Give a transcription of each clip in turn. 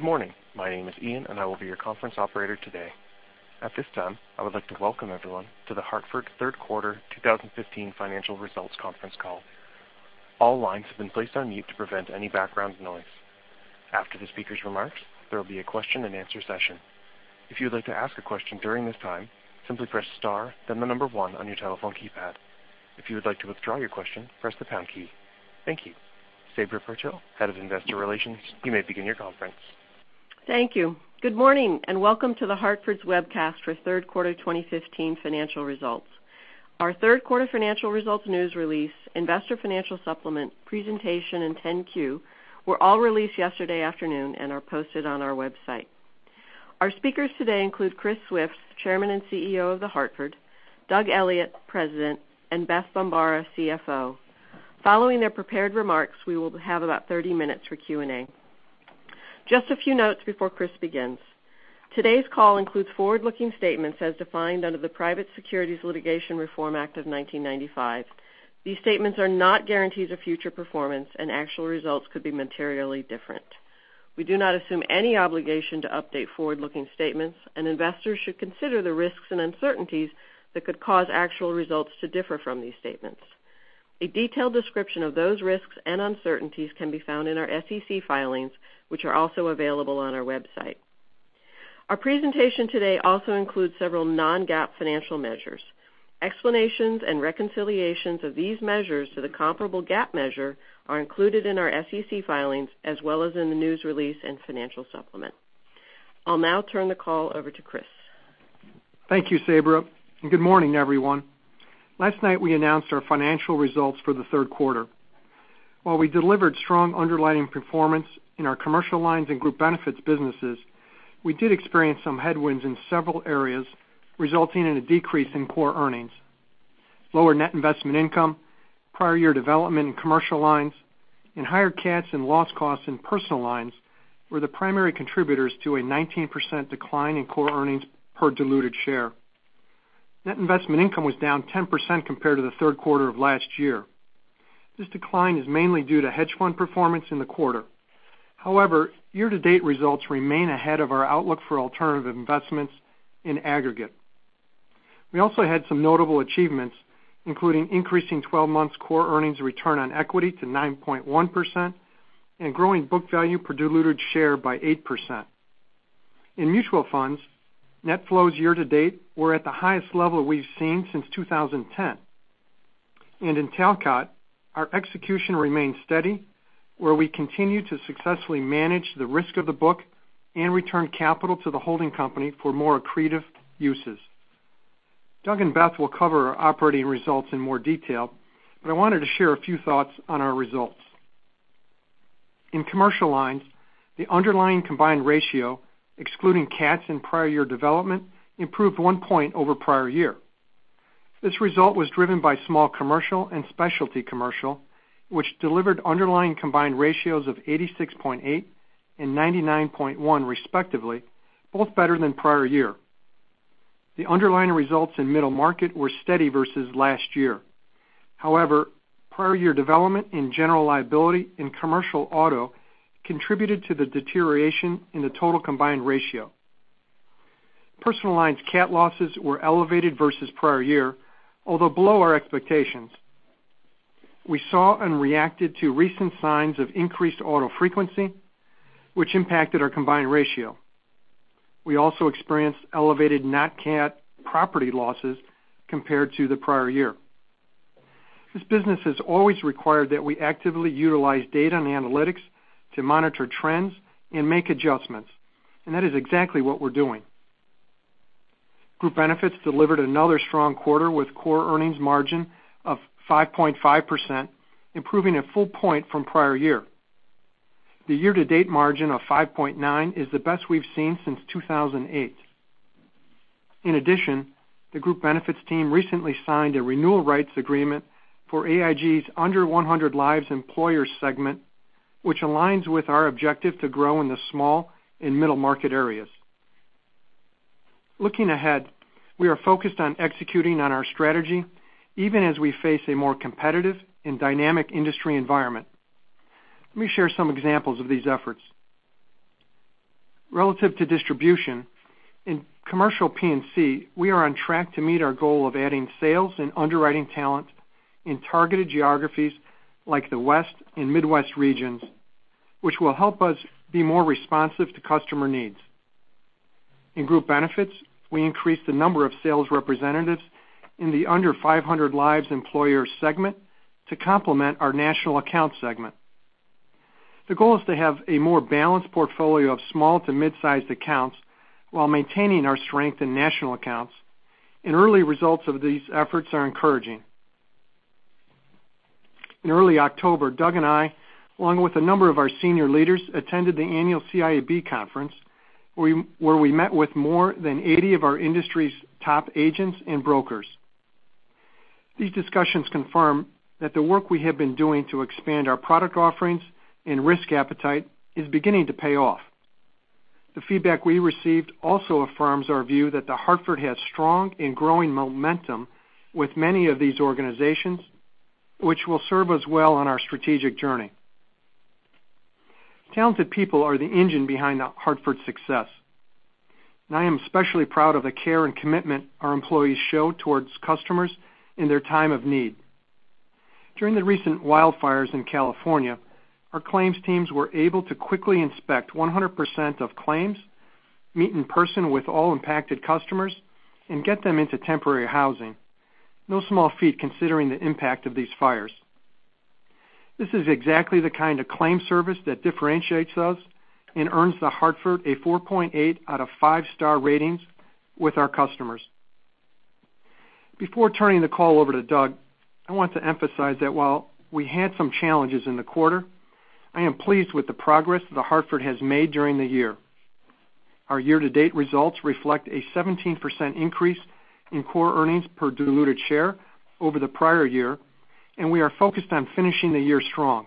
Good morning. My name is Ian, and I will be your conference operator today. At this time, I would like to welcome everyone to The Hartford third quarter 2015 financial results conference call. All lines have been placed on mute to prevent any background noise. After the speaker's remarks, there will be a question and answer session. If you would like to ask a question during this time, simply press star then the number one on your telephone keypad. If you would like to withdraw your question, press the pound key. Thank you. Sabra Purtill, Head of Investor Relations, you may begin your conference. Thank you. Good morning and welcome to The Hartford's webcast for third quarter 2015 financial results. Our third quarter financial results, news release, investor financial supplement presentation, and 10-Q were all released yesterday afternoon and are posted on our website. Our speakers today include Chris Swift, Chairman and CEO of The Hartford, Doug Elliot, President, and Beth Bombara, CFO. Following their prepared remarks, we will have about 30 minutes for Q&A. Just a few notes before Chris begins. Today's call includes forward-looking statements as defined under the Private Securities Litigation Reform Act of 1995. These statements are not guarantees of future performance, and actual results could be materially different. We do not assume any obligation to update forward-looking statements, and investors should consider the risks and uncertainties that could cause actual results to differ from these statements. A detailed description of those risks and uncertainties can be found in our SEC filings, which are also available on our website. Our presentation today also includes several non-GAAP financial measures. Explanations and reconciliations of these measures to the comparable GAAP measure are included in our SEC filings as well as in the news release and financial supplement. I will now turn the call over to Chris. Thank you, Sabra. Good morning, everyone. Last night, we announced our financial results for the third quarter. While we delivered strong underlying performance in our commercial lines and group benefits businesses, we did experience some headwinds in several areas, resulting in a decrease in core earnings. Lower net investment income, prior year development in commercial lines, and higher cats and loss costs in personal lines were the primary contributors to a 19% decline in core earnings per diluted share. Net investment income was down 10% compared to the third quarter of last year. This decline is mainly due to hedge fund performance in the quarter. However, year-to-date results remain ahead of our outlook for alternative investments in aggregate. We also had some notable achievements, including increasing 12 months core earnings return on equity to 9.1% and growing book value per diluted share by 8%. In mutual funds, net flows year to date were at the highest level we've seen since 2010. In Talcott, our execution remained steady, where we continue to successfully manage the risk of the book and return capital to the holding company for more accretive uses. Doug and Beth will cover our operating results in more detail, but I wanted to share a few thoughts on our results. In commercial lines, the underlying combined ratio, excluding cats and prior year development, improved one point over prior year. This result was driven by small commercial and specialty commercial, which delivered underlying combined ratios of 86.8 and 99.1 respectively, both better than prior year. The underlying results in middle market were steady versus last year. Prior year development in general liability and commercial auto contributed to the deterioration in the total combined ratio. Personal lines cat losses were elevated versus prior year, although below our expectations. We saw and reacted to recent signs of increased auto frequency, which impacted our combined ratio. We also experienced elevated not-cat property losses compared to the prior year. This business has always required that we actively utilize data and analytics to monitor trends and make adjustments, and that is exactly what we're doing. Group Benefits delivered another strong quarter with core earnings margin of 5.5%, improving a full point from prior year. The year-to-date margin of 5.9% is the best we've seen since 2008. The Group Benefits team recently signed a renewal rights agreement for AIG's under 100 lives employer segment, which aligns with our objective to grow in the small and middle market areas. Looking ahead, we are focused on executing on our strategy, even as we face a more competitive and dynamic industry environment. Let me share some examples of these efforts. Relative to distribution, in commercial P&C, we are on track to meet our goal of adding sales and underwriting talent in targeted geographies like the West and Midwest regions, which will help us be more responsive to customer needs. In Group Benefits, we increased the number of sales representatives in the under 500 lives employer segment to complement our national account segment. The goal is to have a more balanced portfolio of small to mid-sized accounts while maintaining our strength in national accounts. Early results of these efforts are encouraging. In early October, Doug and I, along with a number of our senior leaders, attended the annual CIAB conference, where we met with more than 80 of our industry's top agents and brokers. These discussions confirm that the work we have been doing to expand our product offerings and risk appetite is beginning to pay off. The feedback we received also affirms our view that The Hartford has strong and growing momentum with many of these organizations, which will serve us well on our strategic journey. Talented people are the engine behind The Hartford's success, and I am especially proud of the care and commitment our employees show towards customers in their time of need. During the recent wildfires in California, our claims teams were able to quickly inspect 100% of claims, meet in person with all impacted customers, and get them into temporary housing. No small feat, considering the impact of these fires. This is exactly the kind of claim service that differentiates us and earns The Hartford a 4.8 out of five-star ratings with our customers. Before turning the call over to Doug Elliot, I want to emphasize that while we had some challenges in the quarter, I am pleased with the progress that The Hartford has made during the year. Our year-to-date results reflect a 17% increase in core earnings per diluted share over the prior year, and we are focused on finishing the year strong.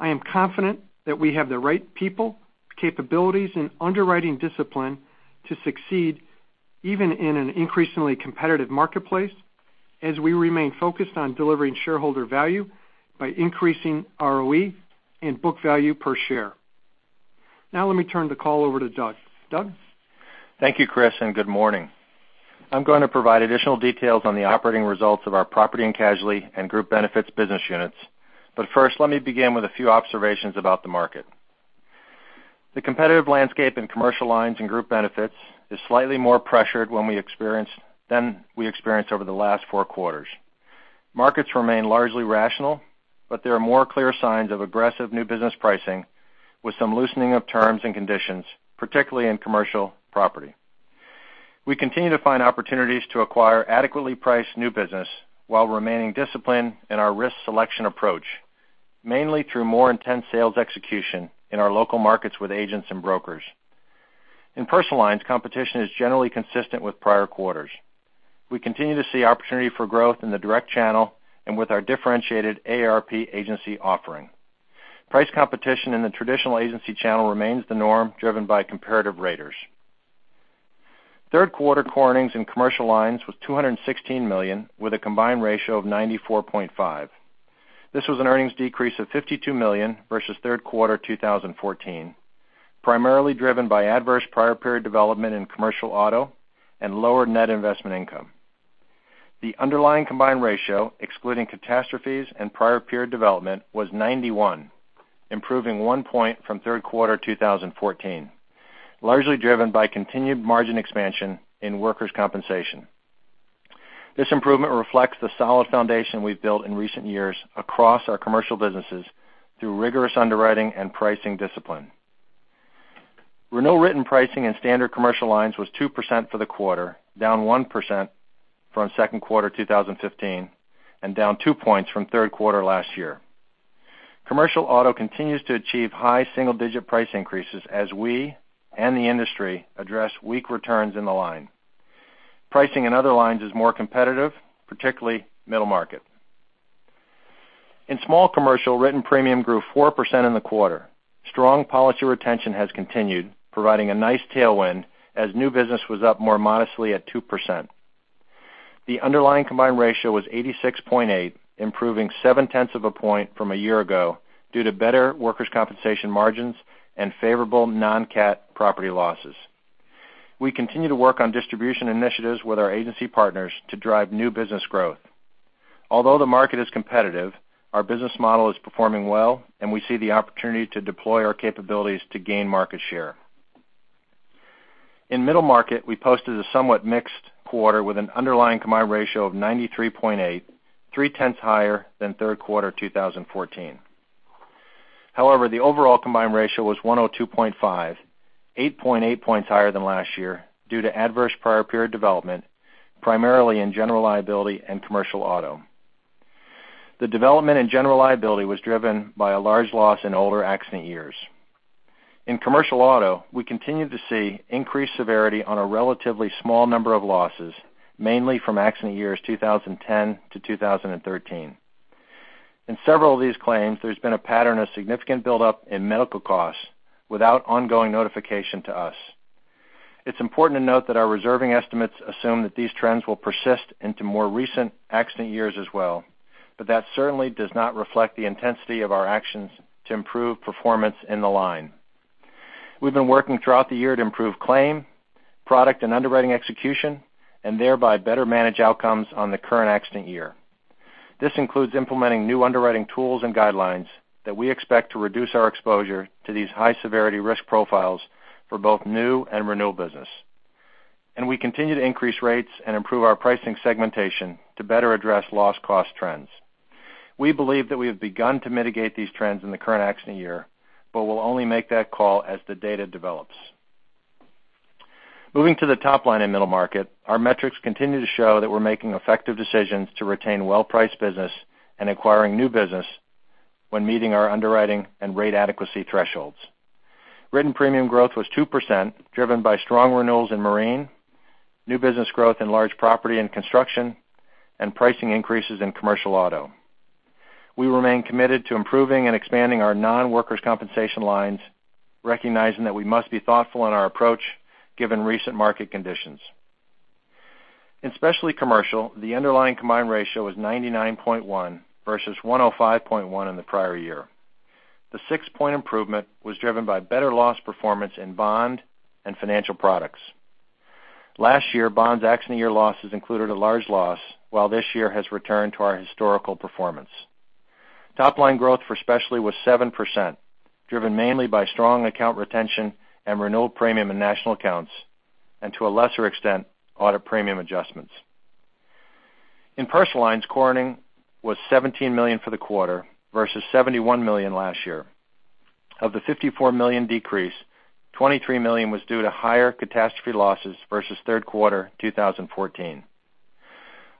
I am confident that we have the right people, capabilities, and underwriting discipline to succeed even in an increasingly competitive marketplace as we remain focused on delivering shareholder value by increasing ROE and book value per share. Now let me turn the call over to Doug Elliot. Doug Elliot? Thank you, Chris Swift, and good morning. I'm going to provide additional details on the operating results of our property and casualty and group benefits business units. First, let me begin with a few observations about the market. The competitive landscape in commercial lines and group benefits is slightly more pressured than we experienced over the last four quarters. Markets remain largely rational, but there are more clear signs of aggressive new business pricing with some loosening of terms and conditions, particularly in commercial property. We continue to find opportunities to acquire adequately priced new business while remaining disciplined in our risk selection approach, mainly through more intense sales execution in our local markets with agents and brokers. In personal lines, competition is generally consistent with prior quarters. We continue to see opportunity for growth in the direct channel and with our differentiated AARP agency offering. Price competition in the traditional agency channel remains the norm, driven by comparative raters. Third quarter core earnings in commercial lines was $216 million, with a combined ratio of 94.5. This was an earnings decrease of $52 million versus third quarter 2014, primarily driven by adverse prior period development in commercial auto and lower net investment income. The underlying combined ratio, excluding catastrophes and prior period development, was 91, improving one point from third quarter 2014, largely driven by continued margin expansion in workers' compensation. This improvement reflects the solid foundation we've built in recent years across our commercial businesses through rigorous underwriting and pricing discipline. Renewal written pricing in standard commercial lines was 2% for the quarter, down 1% from second quarter 2015 and down two points from third quarter last year. Commercial auto continues to achieve high single-digit price increases as we and the industry address weak returns in the line. Pricing in other lines is more competitive, particularly middle market. In small commercial, written premium grew 4% in the quarter. Strong policy retention has continued, providing a nice tailwind as new business was up more modestly at 2%. The underlying combined ratio was 86.8, improving seven tenths of a point from a year ago due to better workers' compensation margins and favorable non-cat property losses. We continue to work on distribution initiatives with our agency partners to drive new business growth. Although the market is competitive, our business model is performing well, and we see the opportunity to deploy our capabilities to gain market share. In middle market, we posted a somewhat mixed quarter with an underlying combined ratio of 93.8, three tenths higher than third quarter 2014. However, the overall combined ratio was 102.5, 8.8 points higher than last year due to adverse prior period development, primarily in general liability and commercial auto. The development in general liability was driven by a large loss in older accident years. In commercial auto, we continued to see increased severity on a relatively small number of losses, mainly from accident years 2010 to 2013. In several of these claims, there's been a pattern of significant buildup in medical costs without ongoing notification to us. It's important to note that our reserving estimates assume that these trends will persist into more recent accident years as well, but that certainly does not reflect the intensity of our actions to improve performance in the line. We've been working throughout the year to improve claim, product, and underwriting execution, and thereby better manage outcomes on the current accident year. This includes implementing new underwriting tools and guidelines that we expect to reduce our exposure to these high-severity risk profiles for both new and renewal business. We continue to increase rates and improve our pricing segmentation to better address loss cost trends. We believe that we have begun to mitigate these trends in the current accident year, but we'll only make that call as the data develops. Moving to the top line in middle market, our metrics continue to show that we're making effective decisions to retain well-priced business and acquiring new business when meeting our underwriting and rate adequacy thresholds. Written premium growth was 2%, driven by strong renewals in marine, new business growth in large property and construction, and pricing increases in commercial auto. We remain committed to improving and expanding our non-workers' compensation lines, recognizing that we must be thoughtful in our approach given recent market conditions. In specialty commercial, the underlying combined ratio is 99.1 versus 105.1 in the prior year. The six-point improvement was driven by better loss performance in bond and financial products. Last year, bond's accident year losses included a large loss, while this year has returned to our historical performance. Top line growth for specialty was 7%, driven mainly by strong account retention and renewal premium in national accounts, and to a lesser extent, audit premium adjustments. In personal lines, core earnings was $17 million for the quarter versus $71 million last year. Of the $54 million decrease, $23 million was due to higher catastrophe losses versus third quarter 2014.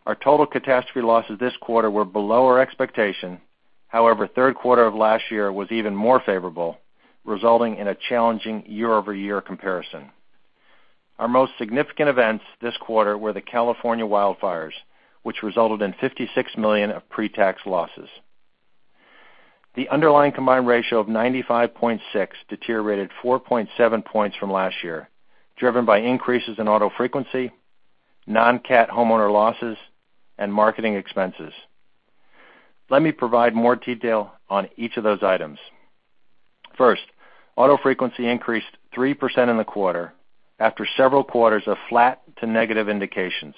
Our total catastrophe losses this quarter were below our expectation. However, third quarter of last year was even more favorable, resulting in a challenging year-over-year comparison. Our most significant events this quarter were the California wildfires, which resulted in $56 million of pre-tax losses. The underlying combined ratio of 95.6 deteriorated 4.7 points from last year, driven by increases in auto frequency, non-cat homeowner losses, and marketing expenses. Let me provide more detail on each of those items. First, auto frequency increased 3% in the quarter after several quarters of flat to negative indications.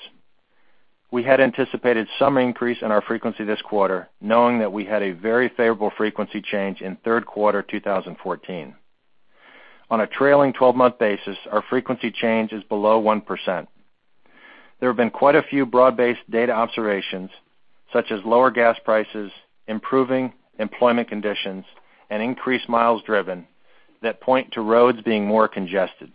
We had anticipated some increase in our frequency this quarter, knowing that we had a very favorable frequency change in third quarter 2014. On a trailing 12-month basis, our frequency change is below 1%. There have been quite a few broad-based data observations, such as lower gas prices, improving employment conditions, and increased miles driven that point to roads being more congested.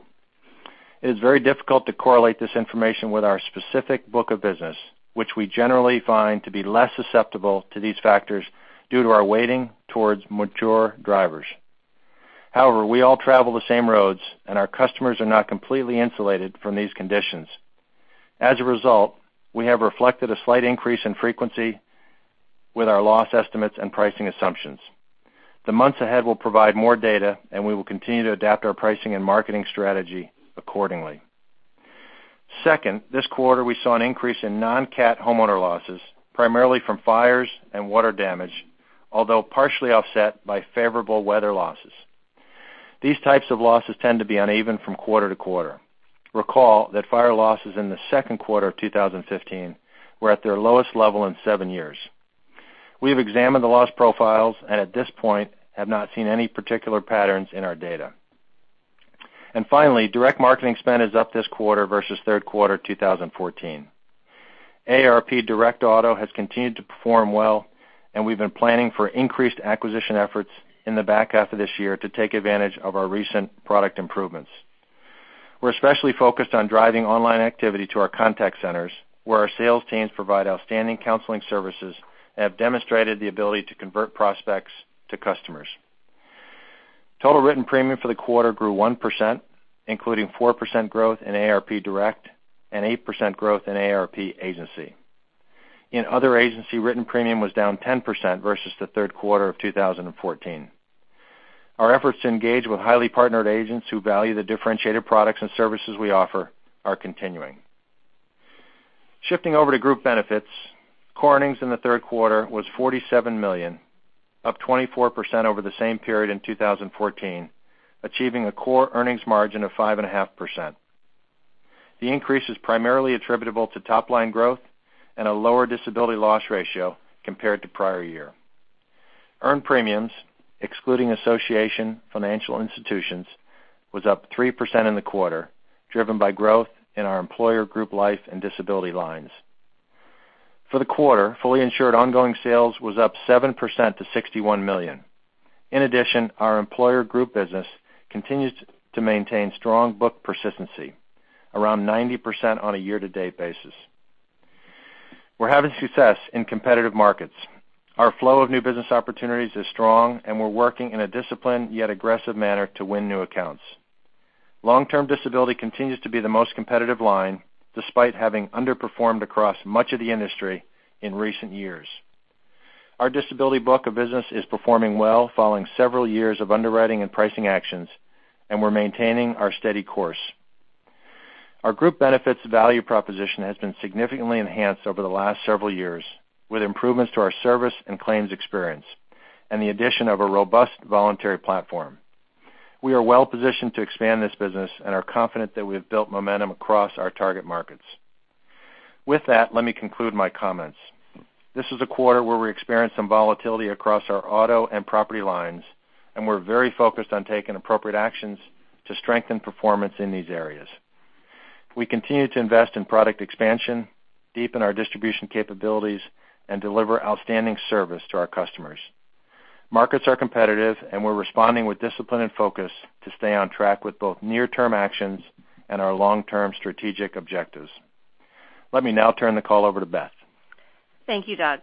It is very difficult to correlate this information with our specific book of business, which we generally find to be less susceptible to these factors due to our weighting towards mature drivers. However, we all travel the same roads, and our customers are not completely insulated from these conditions. As a result, we have reflected a slight increase in frequency with our loss estimates and pricing assumptions. The months ahead will provide more data, and we will continue to adapt our pricing and marketing strategy accordingly. Second, this quarter we saw an increase in non-cat homeowner losses, primarily from fires and water damage, although partially offset by favorable weather losses. These types of losses tend to be uneven from quarter to quarter. Recall that fire losses in the second quarter of 2015 were at their lowest level in seven years. We've examined the loss profiles and at this point, have not seen any particular patterns in our data. Finally, direct marketing spend is up this quarter versus third quarter 2014. AARP Direct Auto has continued to perform well, and we've been planning for increased acquisition efforts in the back half of this year to take advantage of our recent product improvements. We're especially focused on driving online activity to our contact centers, where our sales teams provide outstanding counseling services and have demonstrated the ability to convert prospects to customers. Total written premium for the quarter grew 1%, including 4% growth in AARP Direct and 8% growth in AARP Agency. In other agency, written premium was down 10% versus the third quarter of 2014. Our efforts to engage with highly partnered agents who value the differentiated products and services we offer are continuing. Shifting over to Group Benefits, core earnings in the third quarter was $47 million, up 24% over the same period in 2014, achieving a core earnings margin of 5.5%. The increase is primarily attributable to top-line growth and a lower disability loss ratio compared to prior year. Earned premiums, excluding association financial institutions, was up 3% in the quarter, driven by growth in our employer Group Life and Disability lines. For the quarter, fully insured ongoing sales was up 7% to $61 million. In addition, our employer group business continues to maintain strong book persistency, around 90% on a year-to-date basis. We're having success in competitive markets. Our flow of new business opportunities is strong, and we're working in a disciplined yet aggressive manner to win new accounts. Long-term disability continues to be the most competitive line, despite having underperformed across much of the industry in recent years. Our disability book of business is performing well following several years of underwriting and pricing actions, and we're maintaining our steady course. Our Group Benefits value proposition has been significantly enhanced over the last several years, with improvements to our service and claims experience and the addition of a robust voluntary platform. We are well positioned to expand this business and are confident that we have built momentum across our target markets. With that, let me conclude my comments. This is a quarter where we experienced some volatility across our Auto and Property lines, and we're very focused on taking appropriate actions to strengthen performance in these areas. We continue to invest in product expansion, deepen our distribution capabilities, and deliver outstanding service to our customers. Markets are competitive, and we're responding with discipline and focus to stay on track with both near-term actions and our long-term strategic objectives. Let me now turn the call over to Beth. Thank you, Doug.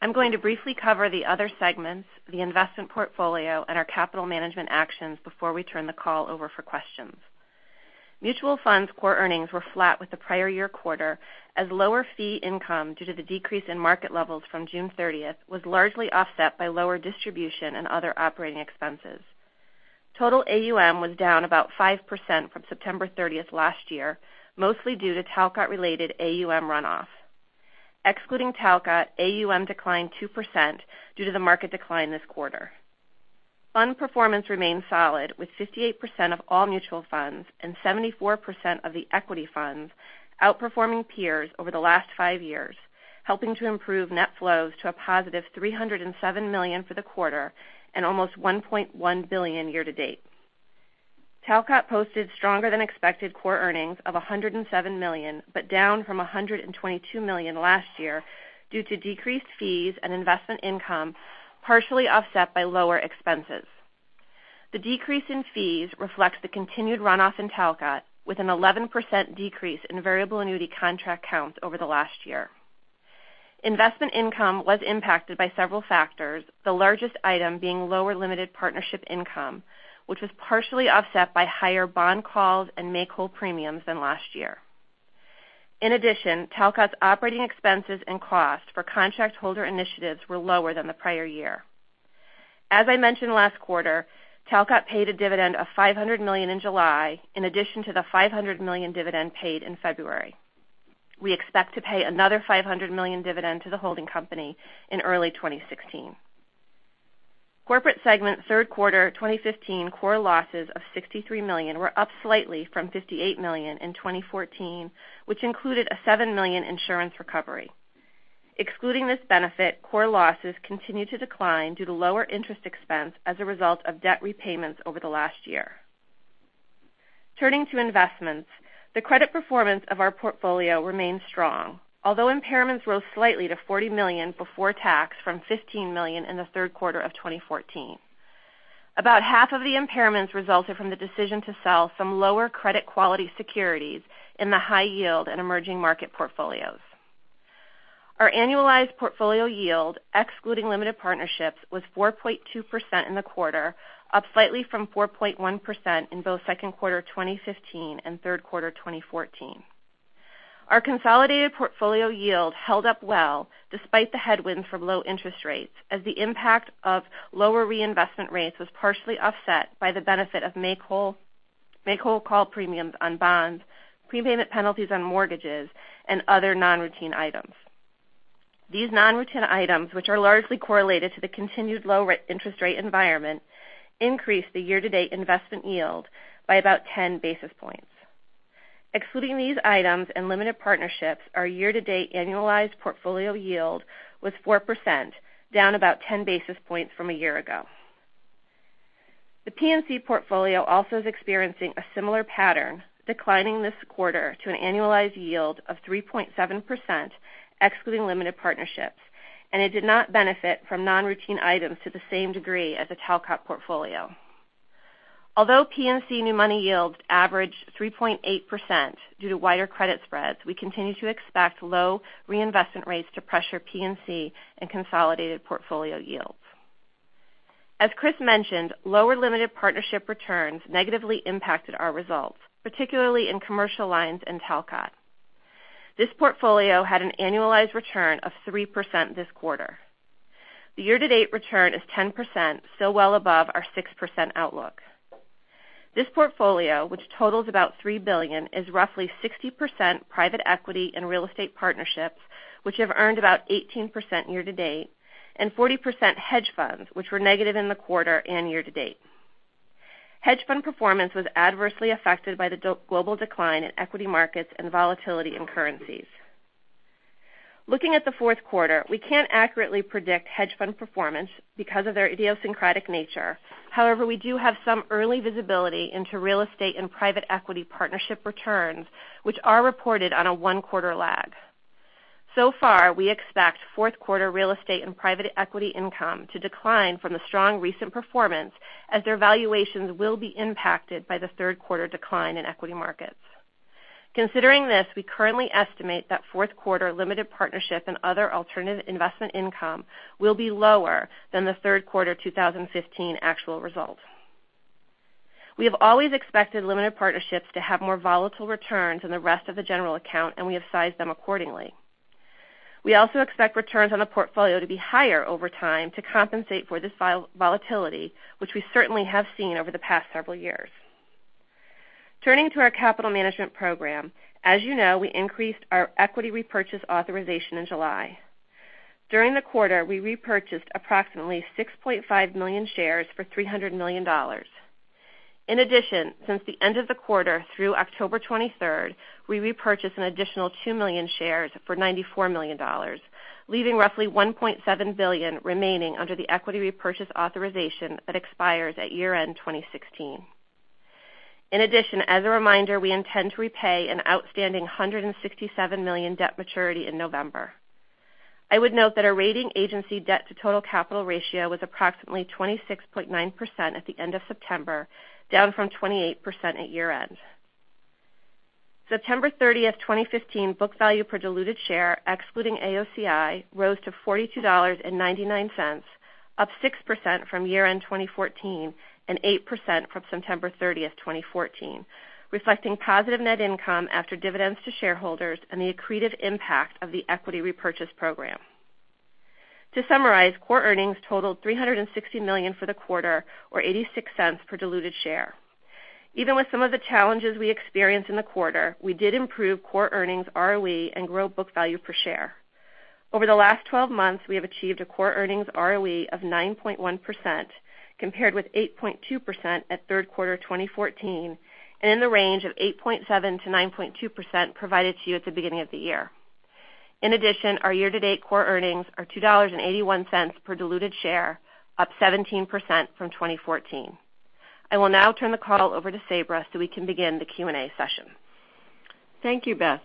I'm going to briefly cover the other segments, the investment portfolio, and our capital management actions before we turn the call over for questions. Mutual funds core earnings were flat with the prior year quarter as lower fee income due to the decrease in market levels from June 30th was largely offset by lower distribution and other operating expenses. Total AUM was down about 5% from September 30th last year, mostly due to Talcott-related AUM runoff. Excluding Talcott, AUM declined 2% due to the market decline this quarter. Fund performance remained solid with 58% of all mutual funds and 74% of the equity funds outperforming peers over the last five years, helping to improve net flows to a positive $307 million for the quarter and almost $1.1 billion year-to-date. Talcott posted stronger than expected core earnings of $107 million, down from $122 million last year due to decreased fees and investment income, partially offset by lower expenses. The decrease in fees reflects the continued runoff in Talcott with an 11% decrease in variable annuity contract counts over the last year. Investment income was impacted by several factors, the largest item being lower limited partnership income, which was partially offset by higher bond calls and make-whole premiums than last year. In addition, Talcott's operating expenses and costs for contract holder initiatives were lower than the prior year. As I mentioned last quarter, Talcott paid a dividend of $500 million in July, in addition to the $500 million dividend paid in February. We expect to pay another $500 million dividend to the holding company in early 2016. Corporate segment third quarter 2015 core losses of $63 million were up slightly from $58 million in 2014, which included a $7 million insurance recovery. Excluding this benefit, core losses continued to decline due to lower interest expense as a result of debt repayments over the last year. Turning to investments, the credit performance of our portfolio remains strong. Although impairments rose slightly to $40 million before tax from $15 million in the third quarter of 2014. About half of the impairments resulted from the decision to sell some lower credit quality securities in the high yield and emerging market portfolios. Our annualized portfolio yield, excluding limited partnerships, was 4.2% in the quarter, up slightly from 4.1% in both second quarter 2015 and third quarter 2014. Our consolidated portfolio yield held up well despite the headwind from low interest rates as the impact of lower reinvestment rates was partially offset by the benefit of make-whole call premiums on bonds, prepayment penalties on mortgages, and other non-routine items. These non-routine items, which are largely correlated to the continued low interest rate environment, increased the year-to-date investment yield by about 10 basis points. Excluding these items and limited partnerships, our year-to-date annualized portfolio yield was 4%, down about 10 basis points from a year ago. The P&C portfolio also is experiencing a similar pattern, declining this quarter to an annualized yield of 3.7%, excluding limited partnerships, and it did not benefit from non-routine items to the same degree as the Talcott portfolio. Although P&C new money yields averaged 3.8% due to wider credit spreads, we continue to expect low reinvestment rates to pressure P&C and consolidated portfolio yields. As Chris mentioned, lower limited partnership returns negatively impacted our results, particularly in commercial lines and Talcott. This portfolio had an annualized return of 3% this quarter. The year-to-date return is 10%, still well above our 6% outlook. This portfolio, which totals about $3 billion, is roughly 60% private equity and real estate partnerships, which have earned about 18% year to date, and 40% hedge funds, which were negative in the quarter and year to date. Hedge fund performance was adversely affected by the global decline in equity markets and the volatility in currencies. Looking at the fourth quarter, we can't accurately predict hedge fund performance because of their idiosyncratic nature. However, we do have some early visibility into real estate and private equity partnership returns, which are reported on a one-quarter lag. So far, we expect fourth quarter real estate and private equity income to decline from the strong recent performance as their valuations will be impacted by the third quarter 2015 decline in equity markets. Considering this, we currently estimate that fourth quarter limited partnership and other alternative investment income will be lower than the third quarter 2015 actual result. We have always expected limited partnerships to have more volatile returns than the rest of the general account, and we have sized them accordingly. We also expect returns on the portfolio to be higher over time to compensate for this volatility, which we certainly have seen over the past several years. Turning to our capital management program. As you know, we increased our equity repurchase authorization in July. During the quarter, we repurchased approximately 6.5 million shares for $300 million. In addition, since the end of the quarter through October 23rd, we repurchased an additional 2 million shares for $94 million, leaving roughly $1.7 billion remaining under the equity repurchase authorization that expires at year-end 2016. In addition, as a reminder, we intend to repay an outstanding $167 million debt maturity in November. I would note that our rating agency debt to total capital ratio was approximately 26.9% at the end of September, down from 28% at year-end. September 30th, 2015, book value per diluted share, excluding AOCI, rose to $42.99, up 6% from year-end 2014 and 8% from September 30th, 2014, reflecting positive net income after dividends to shareholders and the accretive impact of the equity repurchase program. To summarize, core earnings totaled $360 million for the quarter, or $0.86 per diluted share. Even with some of the challenges we experienced in the quarter, we did improve core earnings ROE and grow book value per share. Over the last 12 months, we have achieved a core earnings ROE of 9.1%, compared with 8.2% at third quarter 2014, and in the range of 8.7%-9.2% provided to you at the beginning of the year. In addition, our year-to-date core earnings are $2.81 per diluted share, up 17% from 2014. I will now turn the call over to Sabra so we can begin the Q&A session. Thank you, Beth.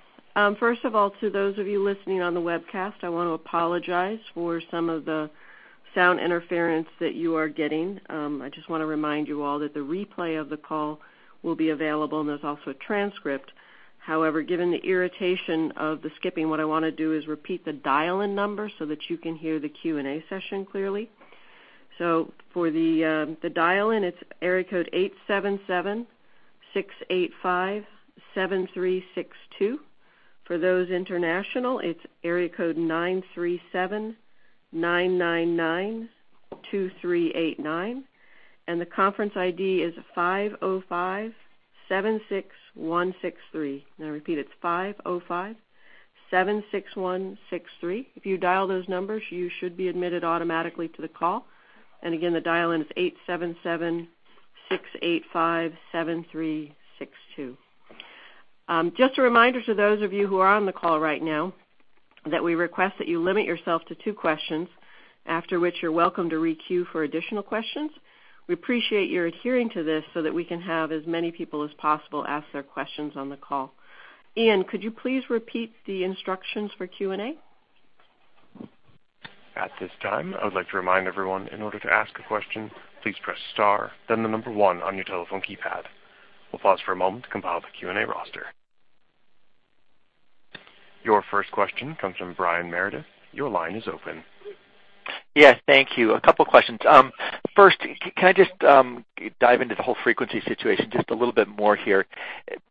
First of all, to those of you listening on the webcast, I want to apologize for some of the sound interference that you are getting. I just want to remind you all that the replay of the call will be available, and there's also a transcript. However, given the irritation of the skipping, what I want to do is repeat the dial-in number so that you can hear the Q&A session clearly. For the dial-in, it's area code 877-685-7362. For those international, it's area code 937-999-2389, and the conference ID is 505-761-63. I repeat, it's 505-761-63. If you dial those numbers, you should be admitted automatically to the call. Again, the dial-in is 877-685-7362. Just a reminder to those of you who are on the call right now that we request that you limit yourself to two questions, after which you're welcome to re-queue for additional questions. We appreciate your adhering to this so that we can have as many people as possible ask their questions on the call. Ian, could you please repeat the instructions for Q&A? At this time, I would like to remind everyone, in order to ask a question, please press star, then the number one on your telephone keypad. We'll pause for a moment to compile the Q&A roster. Your first question comes from Brian Meredith. Your line is open. Yes, thank you. A couple questions. First, can I just dive into the whole frequency situation just a little bit more here?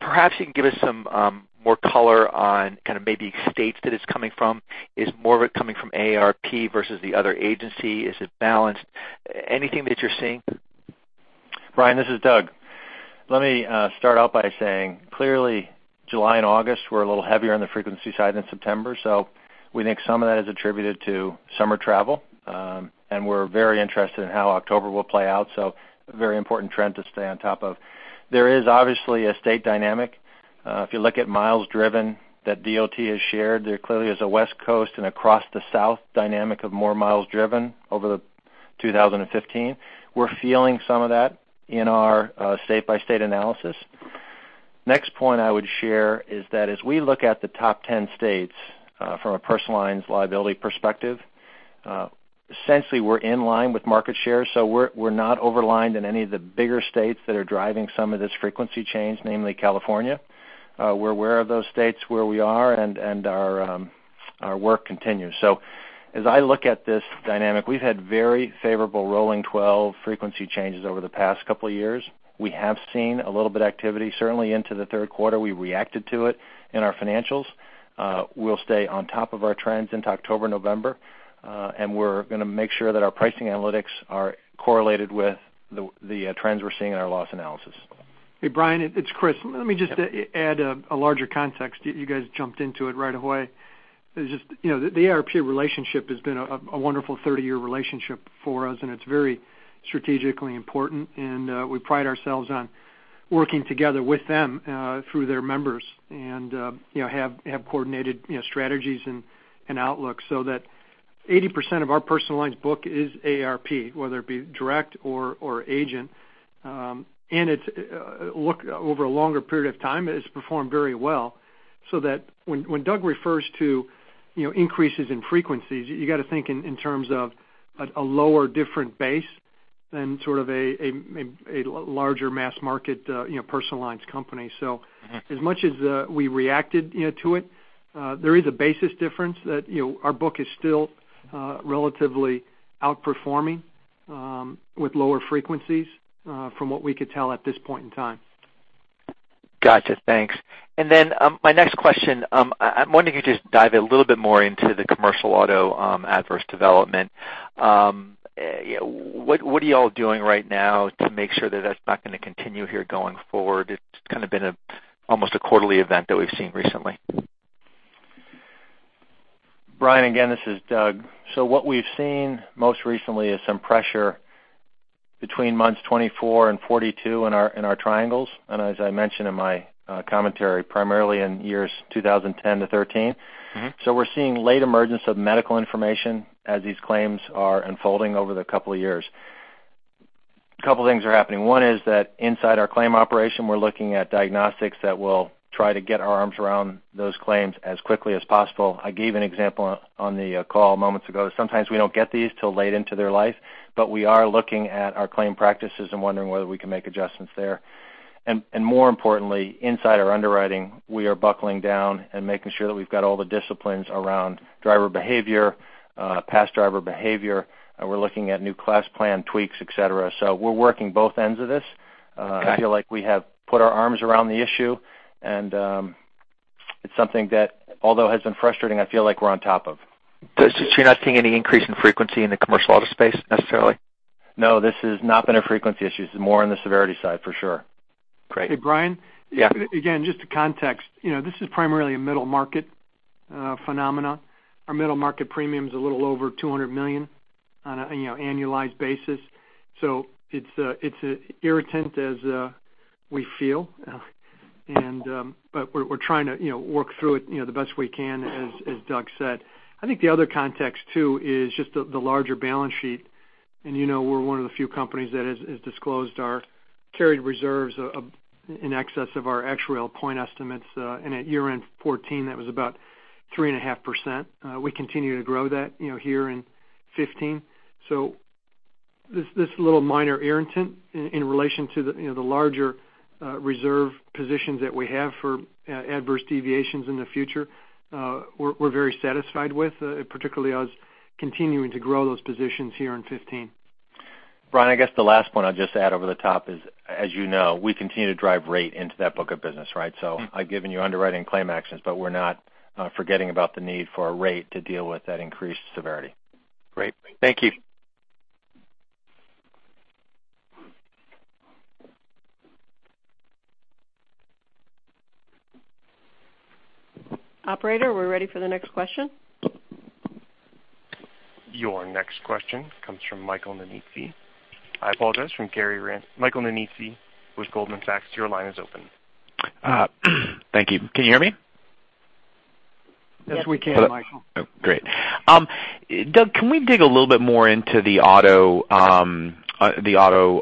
Perhaps you can give us some more color on maybe states that it's coming from. Is more of it coming from AARP versus the other agency? Is it balanced? Anything that you're seeing? Brian, this is Doug. Let me start out by saying, clearly July and August were a little heavier on the frequency side than September. We think some of that is attributed to summer travel. We're very interested in how October will play out. A very important trend to stay on top of. There is obviously a state dynamic. If you look at miles driven that DOT has shared, there clearly is a West Coast and across the South dynamic of more miles driven over 2015. We're feeling some of that in our state-by-state analysis. Next point I would share is that as we look at the top 10 states from a personal lines liability perspective, essentially we're in line with market share. We're not over lined in any of the bigger states that are driving some of this frequency change, namely California. We're aware of those states where we are, our work continues. As I look at this dynamic, we've had very favorable rolling 12 frequency changes over the past couple of years. We have seen a little bit of activity, certainly into the third quarter. We reacted to it in our financials. We'll stay on top of our trends into October, November, we're going to make sure that our pricing analytics are correlated with the trends we're seeing in our loss analysis. Hey, Brian, it's Chris. Let me just add a larger context. You guys jumped into it right away. The AARP relationship has been a wonderful 30-year relationship for us, it's very strategically important, we pride ourselves on working together with them through their members and have coordinated strategies and outlooks that 80% of our personal lines book is AARP, whether it be direct or agent. Over a longer period of time, it has performed very well. When Doug refers to increases in frequencies, you got to think in terms of a lower different base than sort of a larger mass market personal lines company. As much as we reacted to it, there is a basis difference that our book is still relatively outperforming with lower frequencies from what we could tell at this point in time. Got you. Thanks. My next question, I'm wondering if you could just dive a little bit more into the commercial auto adverse development. What are you all doing right now to make sure that's not going to continue here going forward? It's kind of been almost a quarterly event that we've seen recently. Brian, again, this is Doug. What we've seen most recently is some pressure between months 24 and 42 in our triangles. As I mentioned in my commentary, primarily in years 2010 to 2013. We're seeing late emergence of medical information as these claims are unfolding over the couple of years. A couple of things are happening. One is that inside our claim operation, we're looking at diagnostics that will try to get our arms around those claims as quickly as possible. I gave an example on the call moments ago. Sometimes we don't get these till late into their life, but we are looking at our claim practices and wondering whether we can make adjustments there. More importantly, inside our underwriting, we are buckling down and making sure that we've got all the disciplines around driver behavior, past driver behavior, and we're looking at new class plan tweaks, et cetera. We're working both ends of this. Okay. I feel like we have put our arms around the issue, and it's something that, although has been frustrating, I feel like we're on top of. You're not seeing any increase in frequency in the commercial auto space necessarily? No, this has not been a frequency issue. This is more on the severity side for sure. Great. Hey, Brian? Yeah. Again, just to context, this is primarily a middle-market phenomena. Our middle-market premium is a little over $200 million on an annualized basis. It's irritant as we feel, but we're trying to work through it the best we can, as Doug said. I think the other context, too, is just the larger balance sheet. You know we're one of the few companies that has disclosed our carried reserves in excess of our actual point estimates. At year-end 2014, that was about 3.5%. We continue to grow that here in 2015. This little minor irritant in relation to the larger reserve positions that we have for adverse deviations in the future, we're very satisfied with, particularly us continuing to grow those positions here in 2015. Brian, I guess the last point I'll just add over the top is, as you know, we continue to drive rate into that book of business, right? I've given you underwriting claim actions, but we're not forgetting about the need for a rate to deal with that increased severity. Great. Thank you. Operator, we're ready for the next question. Your next question comes from Michael Nannizzi. I apologize, from Gary Ransom. Michael Nannizzi with Goldman Sachs, your line is open. Thank you. Can you hear me? Yes, we can, Michael. Oh, great. Doug, can we dig a little bit more into the auto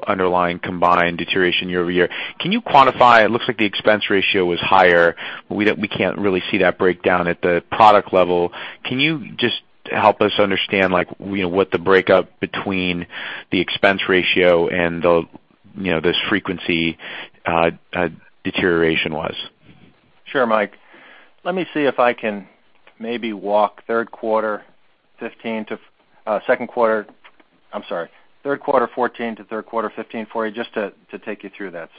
underlying combined deterioration year-over-year? Can you quantify, it looks like the expense ratio was higher, we can't really see that breakdown at the product level. Can you just help us understand what the breakup between the expense ratio and this frequency deterioration was? Sure, Mike. Let me see if I can maybe walk third quarter 2014 to third quarter 2015 for you, just to take you through that.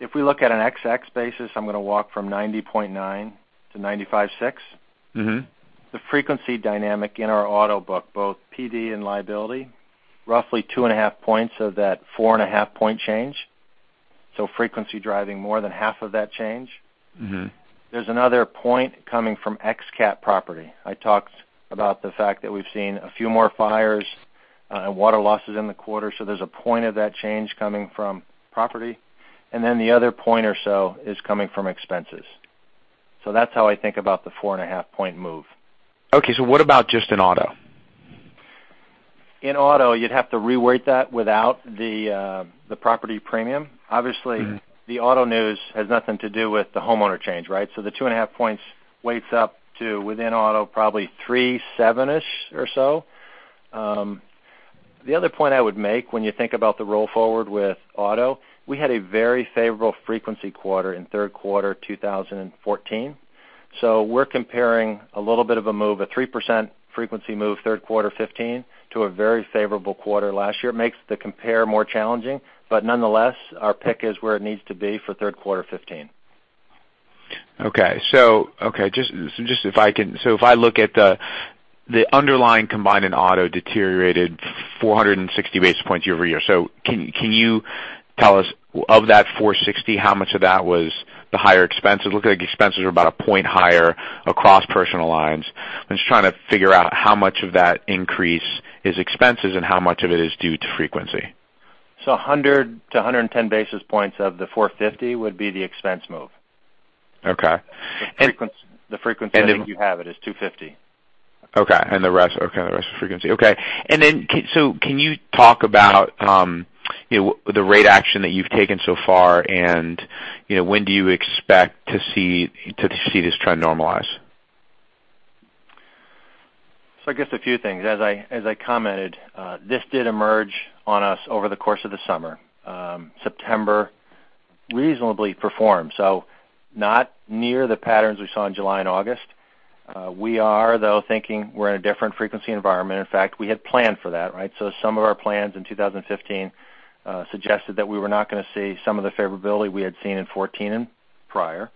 If we look at an ex-cat basis, I'm going to walk from 90.9% to 95.6%. The frequency dynamic in our auto book, both PD and liability, roughly 2.5 points of that 4.5 point change. Frequency driving more than half of that change. There's another point coming from ex-cat property. I talked about the fact that we've seen a few more fires and water losses in the quarter, there's a point of that change coming from property. The other point or so is coming from expenses. That's how I think about the 4.5 point move. Okay. What about just in auto? In auto, you'd have to re-weight that without the property premium. The auto news has nothing to do with the homeowner change, right? The two and a half points weights up to within auto, probably 3.7-ish or so. The other point I would make when you think about the roll forward with auto, we had a very favorable frequency quarter in third quarter 2014. We're comparing a little bit of a move, a 3% frequency move third quarter 2015 to a very favorable quarter last year. Makes the compare more challenging, but nonetheless, our pick is where it needs to be for third quarter 2015. Okay. If I look at the underlying combined and auto deteriorated 460 basis points year-over-year. Can you tell us of that 460, how much of that was the higher expenses? Looked like expenses were about one point higher across personal lines. I'm just trying to figure out how much of that increase is expenses and how much of it is due to frequency. 100 to 110 basis points of the 450 would be the expense move. Okay. The frequency I think you have it, is 250. Okay. The rest is frequency. Okay. Can you talk about the rate action that you've taken so far and when do you expect to see this trend normalize? I guess a few things. As I commented, this did emerge on us over the course of the summer. September reasonably performed, not near the patterns we saw in July and August. We are, though, thinking we're in a different frequency environment. In fact, we had planned for that, right? Some of our plans in 2015 suggested that we were not going to see some of the favorability we had seen in 2014 and prior.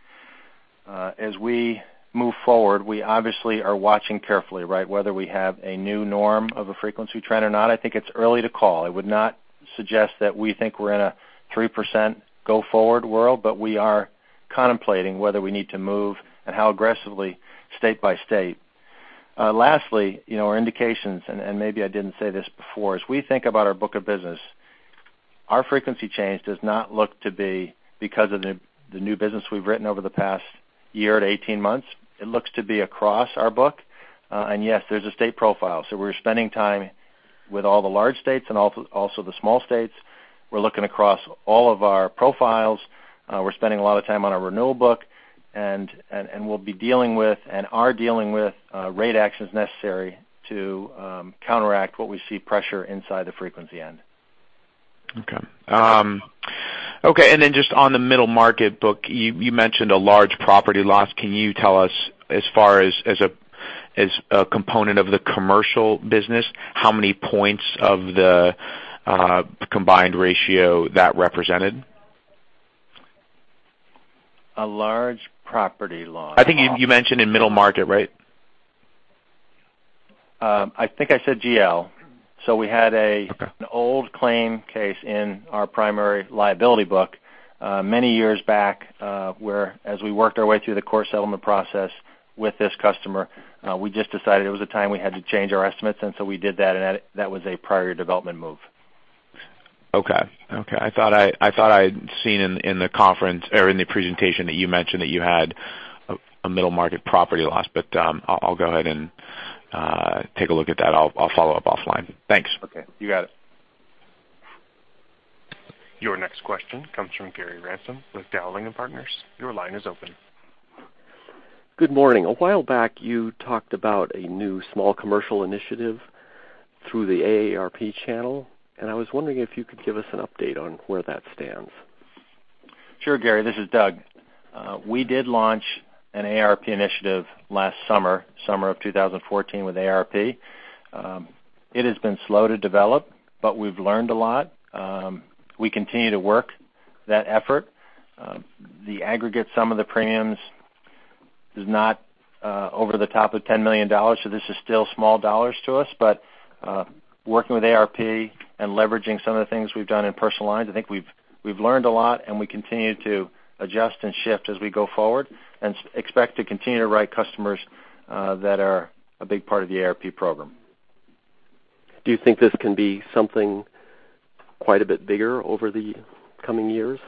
As we move forward, we obviously are watching carefully, right? Whether we have a new norm of a frequency trend or not, I think it's early to call. I would not suggest that we think we're in a 3% go forward world, but we are contemplating whether we need to move and how aggressively state by state. Lastly, our indications, and maybe I didn't say this before, as we think about our book of business, our frequency change does not look to be because of the new business we've written over the past year to 18 months. It looks to be across our book. Yes, there's a state profile. We're spending time with all the large states and also the small states. We're looking across all of our profiles. We're spending a lot of time on our renewal book, and we'll be dealing with and are dealing with rate actions necessary to counteract what we see pressure inside the frequency end. Okay. Just on the middle market book, you mentioned a large property loss. Can you tell us, as far as a component of the commercial business, how many points of the combined ratio that represented? A large property loss. I think you mentioned in middle market, right? I think I said GL. We had an old claim case in our primary liability book many years back, where as we worked our way through the court settlement process with this customer, we just decided it was a time we had to change our estimates, and so we did that, and that was a prior development move. Okay. I thought I'd seen in the presentation that you mentioned that you had a middle market property loss. I'll go ahead and take a look at that. I'll follow up offline. Thanks. Okay. You got it. Your next question comes from Gary Ransom with Dowling & Partners. Your line is open. Good morning. A while back, you talked about a new small commercial initiative through the AARP channel. I was wondering if you could give us an update on where that stands. Sure, Gary, this is Doug. We did launch an AARP initiative last summer of 2014 with AARP. It has been slow to develop, but we've learned a lot. We continue to work that effort. The aggregate sum of the premiums is not over the top of $10 million, so this is still small dollars to us. But working with AARP and leveraging some of the things we've done in personal lines, I think we've learned a lot, and we continue to adjust and shift as we go forward and expect to continue to write customers that are a big part of the AARP program. Do you think this can be something quite a bit bigger over the coming years?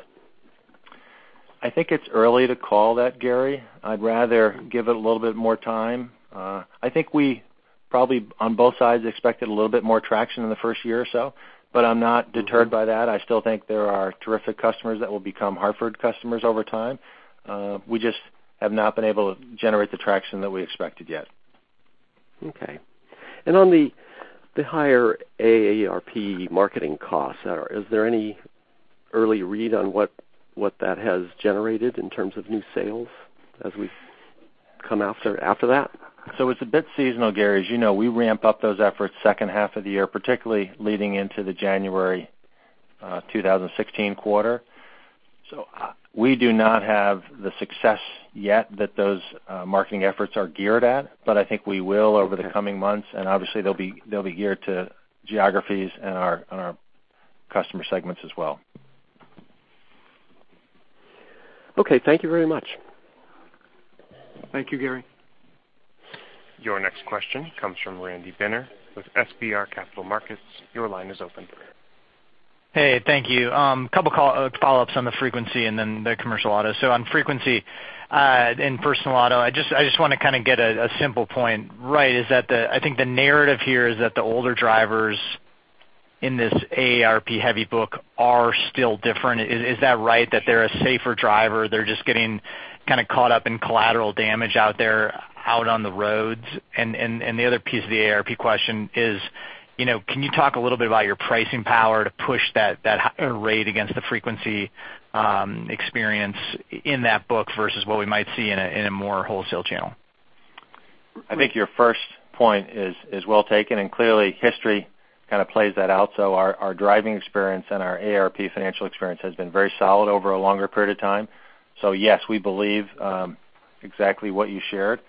I think it's early to call that, Gary. I'd rather give it a little bit more time. I think we probably, on both sides, expected a little bit more traction in the first year or so, I'm not deterred by that. I still think there are terrific customers that will become The Hartford customers over time. We just have not been able to generate the traction that we expected yet. Okay. On the higher AARP marketing costs, is there any early read on what that has generated in terms of new sales as we've come after that? It's a bit seasonal, Gary. As you know, we ramp up those efforts second half of the year, particularly leading into the January 2016 quarter. We do not have the success yet that those marketing efforts are geared at, I think we will over the coming months, obviously they'll be geared to geographies and our customer segments as well. Okay. Thank you very much. Thank you, Gary. Your next question comes from Randy Binner with FBR Capital Markets. Your line is open, Randy. Hey, thank you. Couple follow-ups on the frequency and then the commercial auto. On frequency in personal auto, I just want to get a simple point right, is that I think the narrative here is that the older drivers in this AARP heavy book are still different. Is that right, that they're a safer driver, they're just getting caught up in collateral damage out there out on the roads? The other piece of the AARP question is, can you talk a little bit about your pricing power to push that rate against the frequency experience in that book versus what we might see in a more wholesale channel? I think your first point is well taken. Clearly, history plays that out. Our driving experience and our AARP financial experience has been very solid over a longer period of time. Yes, we believe exactly what you shared.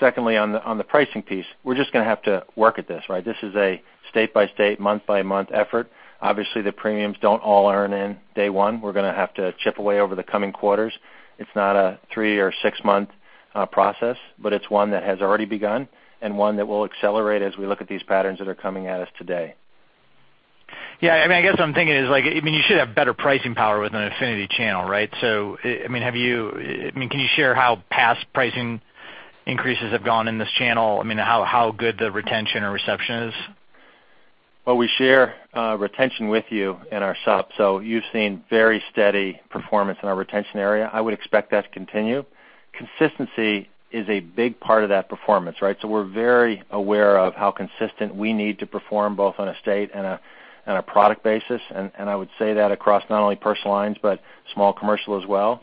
Secondly, on the pricing piece, we're just going to have to work at this, right? This is a state-by-state, month-by-month effort. Obviously, the premiums don't all earn in day one. We're going to have to chip away over the coming quarters. It's not a three or six-month process, but it's one that has already begun and one that will accelerate as we look at these patterns that are coming at us today. Yeah, I guess what I'm thinking is you should have better pricing power with an affinity channel, right? Can you share how past pricing increases have gone in this channel? How good the retention or reception is? Well, we share retention with you in our sup. You've seen very steady performance in our retention area. I would expect that to continue. Consistency is a big part of that performance, right? We're very aware of how consistent we need to perform, both on a state and a product basis. I would say that across not only personal lines, but small commercial as well.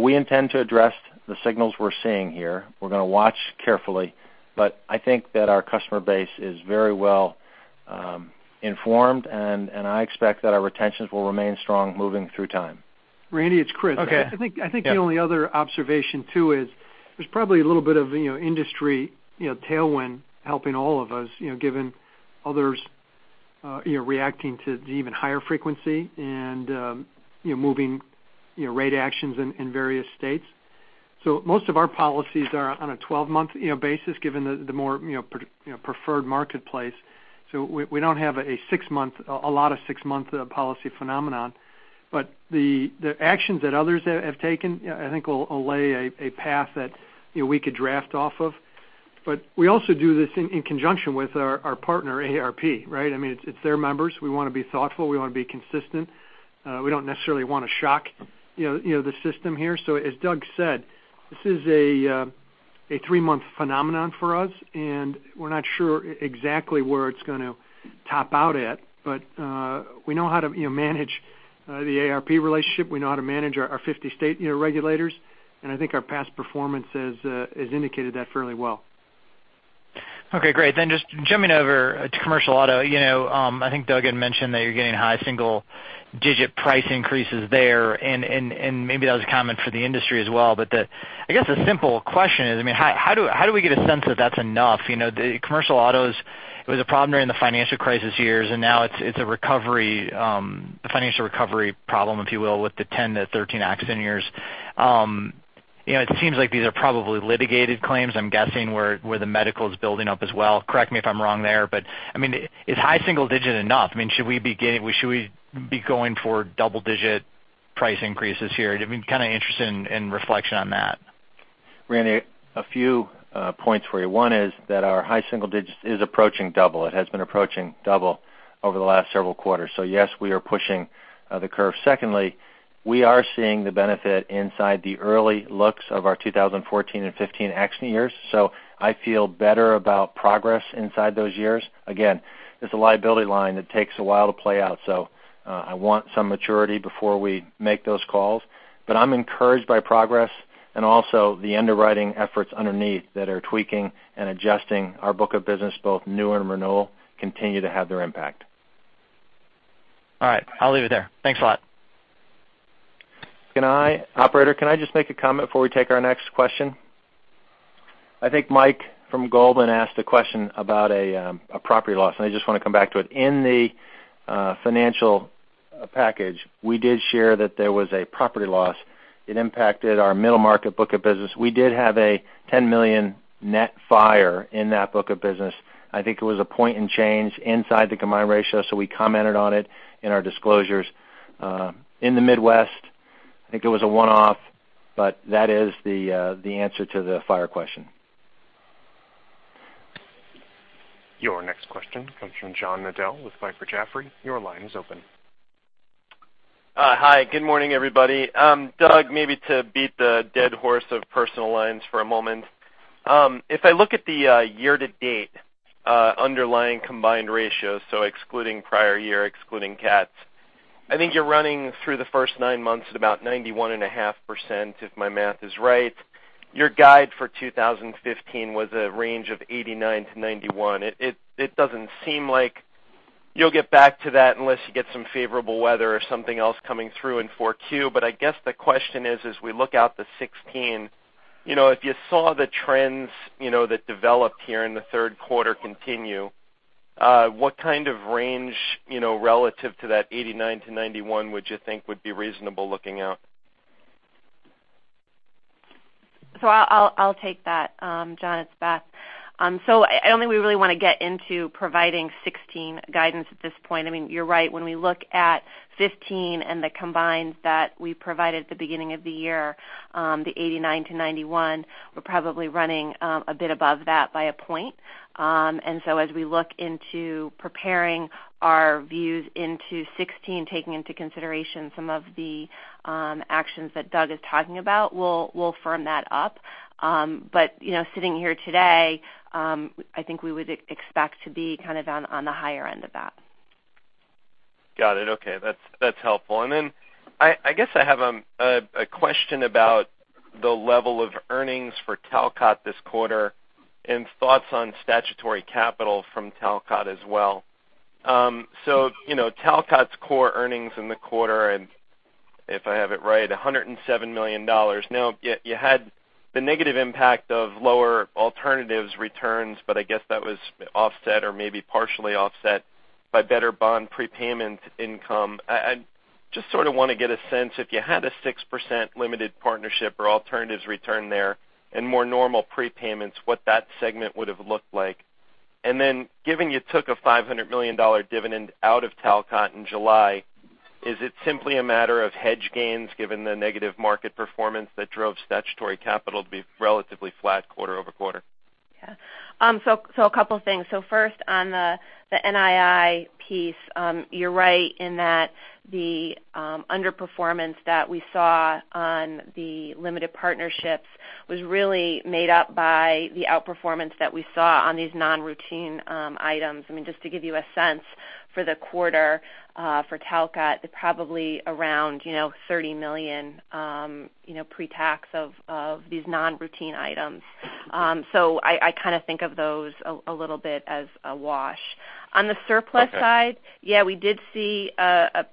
We intend to address the signals we're seeing here. We're going to watch carefully, I think that our customer base is very well informed, and I expect that our retentions will remain strong moving through time. Randy, it's Chris. Okay. I think the only other observation, too, is there's probably a little bit of industry tailwind helping all of us, given others reacting to the even higher frequency and moving rate actions in various states. Most of our policies are on a 12-month basis, given the more preferred marketplace. We don't have a lot of six-month policy phenomenon. The actions that others have taken, I think will lay a path that we could draft off of. We also do this in conjunction with our partner, AARP, right? I mean, it's their members. We want to be thoughtful. We want to be consistent. We don't necessarily want to shock the system here. As Doug said, this is a three-month phenomenon for us, and we're not sure exactly where it's going to top out at. We know how to manage the AARP relationship. We know how to manage our 50 state regulators. And I think our past performance has indicated that fairly well. Okay, great. Just jumping over to commercial auto. I think Doug had mentioned that you're getting high single-digit price increases there, and maybe that was common for the industry as well. I guess the simple question is, how do we get a sense that that's enough? The commercial autos, it was a problem during the financial crisis years, and now it's a financial recovery problem, if you will, with the 10 to 13 accident years. It seems like these are probably litigated claims, I'm guessing, where the medical is building up as well. Correct me if I'm wrong there, but I mean, is high single digit enough? I mean, should we be going for double-digit price increases here? I'm kind of interested in reflection on that. Randy, a few points for you. One is that our high single digit is approaching double. It has been approaching double over the last several quarters. Yes, we are pushing the curve. Secondly, we are seeing the benefit inside the early looks of our 2014 and 2015 accident years. I feel better about progress inside those years. Again, it's a liability line that takes a while to play out. I want some maturity before we make those calls. I'm encouraged by progress and also the underwriting efforts underneath that are tweaking and adjusting our book of business, both new and renewal, continue to have their impact. All right. I'll leave it there. Thanks a lot. Operator, can I just make a comment before we take our next question? I think Mike from Goldman Sachs asked a question about a property loss, and I just want to come back to it. In the financial package, we did share that there was a property loss. It impacted our Middle Market book of business. We did have a $10 million net fire in that book of business. I think it was a point in change inside the combined ratio, so we commented on it in our disclosures. In the Midwest, I think it was a one-off, but that is the answer to the fire question. Your next question comes from John Nadel with Piper Jaffray. Your line is open. Hi, good morning, everybody. Doug, maybe to beat the dead horse of personal lines for a moment. If I look at the year-to-date underlying combined ratio, so excluding prior year, excluding cats, I think you're running through the first nine months at about 91.5% if my math is right. Your guide for 2015 was a range of 89%-91%. It doesn't seem like you'll get back to that unless you get some favorable weather or something else coming through in 4Q. I guess the question is, as we look out to 2016, if you saw the trends that developed here in the third quarter continue, what kind of range, relative to that 89%-91%, would you think would be reasonable looking out? I'll take that, John. It's Beth Bombara. I don't think we really want to get into providing 2016 guidance at this point. I mean, you're right. When we look at 2015 and the combines that we provided at the beginning of the year, the 89%-91%, we're probably running a bit above that by 1 point. As we look into preparing our views into 2016, taking into consideration some of the actions that Doug Elliot is talking about, we'll firm that up. Sitting here today, I think we would expect to be kind of on the higher end of that. Got it. Okay. That's helpful. I guess I have a question about the level of earnings for Talcott this quarter and thoughts on statutory capital from Talcott as well. Talcott's core earnings in the quarter, and if I have it right, $107 million. Now, you had the negative impact of lower alternatives returns, but I guess that was offset or maybe partially offset by better bond prepayment income. I just sort of want to get a sense if you had a 6% limited partnership or alternatives return there and more normal prepayments, what that segment would have looked like. Given you took a $500 million dividend out of Talcott in July, is it simply a matter of hedge gains given the negative market performance that drove statutory capital to be relatively flat quarter-over-quarter? Yeah. A couple things. First on the NII piece, you're right in that the underperformance that we saw on the limited partnerships was really made up by the outperformance that we saw on these non-routine items. I mean, just to give you a sense for the quarter for Talcott, probably around $30 million pretax of these non-routine items. I kind of think of those a little bit as a wash. On the surplus side- Okay We did see a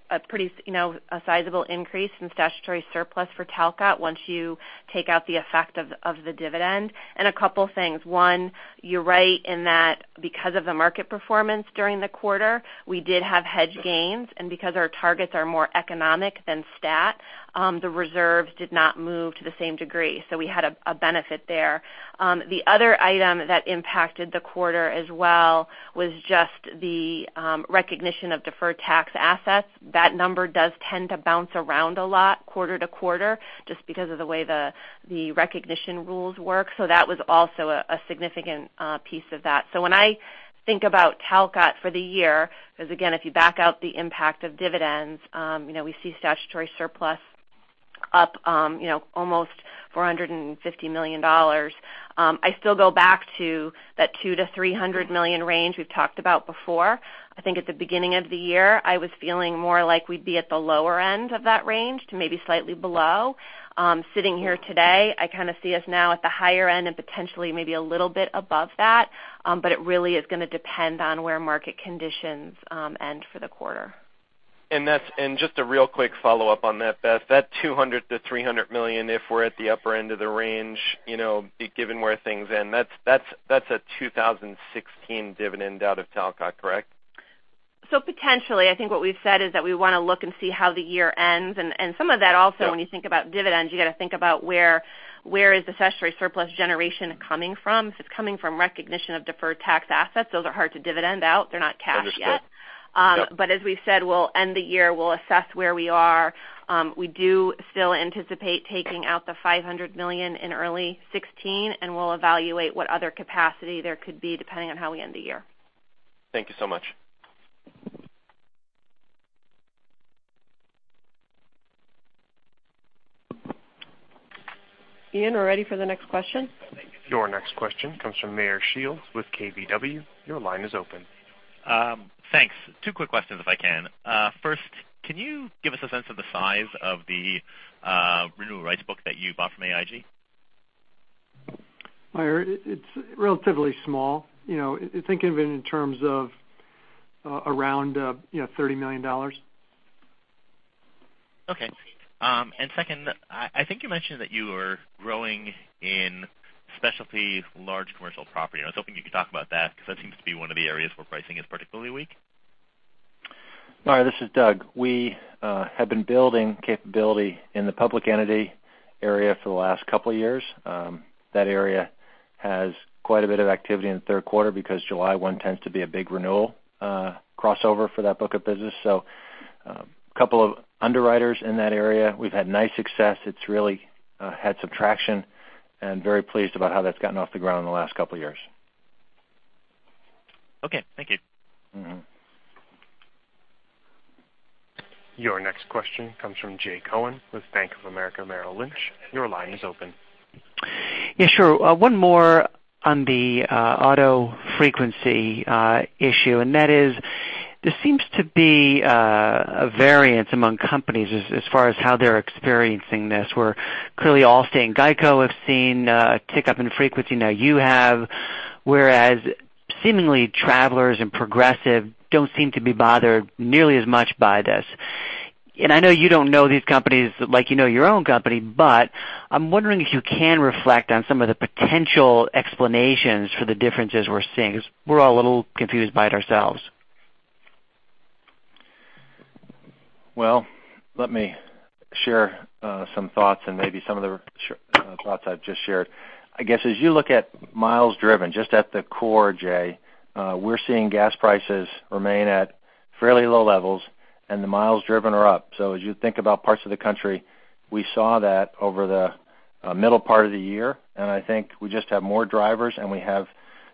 sizable increase in statutory surplus for Talcott once you take out the effect of the dividend. A couple things. One, you're right in that because of the market performance during the quarter, we did have hedge gains, and because our targets are more economic than stat, the reserves did not move to the same degree. We had a benefit there. The other item that impacted the quarter as well was just the recognition of deferred tax assets. That number does tend to bounce around a lot quarter-to-quarter just because of the way the recognition rules work. That was also a significant piece of that. When I think about Talcott for the year, because again, if you back out the impact of dividends, we see statutory surplus up almost $450 million. I still go back to that $200 million-$300 million range we've talked about before. I think at the beginning of the year, I was feeling more like we'd be at the lower end of that range to maybe slightly below. Sitting here today, I kind of see us now at the higher end and potentially maybe a little bit above that. It really is going to depend on where market conditions end for the quarter. Just a real quick follow-up on that, Beth. That $200 million-$300 million, if we're at the upper end of the range, given where things end, that's a 2016 dividend out of Talcott, correct? Potentially. I think what we've said is that we want to look and see how the year ends, and some of that also, when you think about dividends, you got to think about where is the statutory surplus generation coming from. If it's coming from recognition of deferred tax assets, those are hard to dividend out. They're not cash yet. Understood. Yep. As we've said, we'll end the year, we'll assess where we are. We do still anticipate taking out the $500 million in early 2016, we'll evaluate what other capacity there could be depending on how we end the year. Thank you so much. Ian, we're ready for the next question. Your next question comes from Meyer Shields with KBW. Your line is open. Thanks. Two quick questions, if I can. First, can you give us a sense of the size of the renewal rights book that you bought from AIG? Meyer, it's relatively small. Think of it in terms of around $30 million. Okay. Second, I think you mentioned that you were growing in specialty large commercial property, and I was hoping you could talk about that because that seems to be one of the areas where pricing is particularly weak. Meyer, this is Doug. We have been building capability in the public entity area for the last couple of years. That area has quite a bit of activity in the third quarter because July 1 tends to be a big renewal crossover for that book of business. A couple of underwriters in that area. We've had nice success. It's really had some traction and very pleased about how that's gotten off the ground in the last couple of years. Okay. Thank you. Your next question comes from Jay Cohen with Bank of America Merrill Lynch. Your line is open. Yeah, sure. One more on the auto frequency issue, that is there seems to be a variance among companies as far as how they're experiencing this, where clearly Allstate and GEICO have seen a tick-up in frequency. Now you have, whereas seemingly Travelers and Progressive don't seem to be bothered nearly as much by this. I know you don't know these companies like you know your own company, but I'm wondering if you can reflect on some of the potential explanations for the differences we're seeing, because we're all a little confused by it ourselves. Well, let me share some thoughts and maybe some of the thoughts I've just shared. I guess as you look at miles driven, just at the core, Jay, we're seeing gas prices remain at fairly low levels and the miles driven are up. As you think about parts of the country, we saw that over the middle part of the year, and I think we just have more drivers, and we have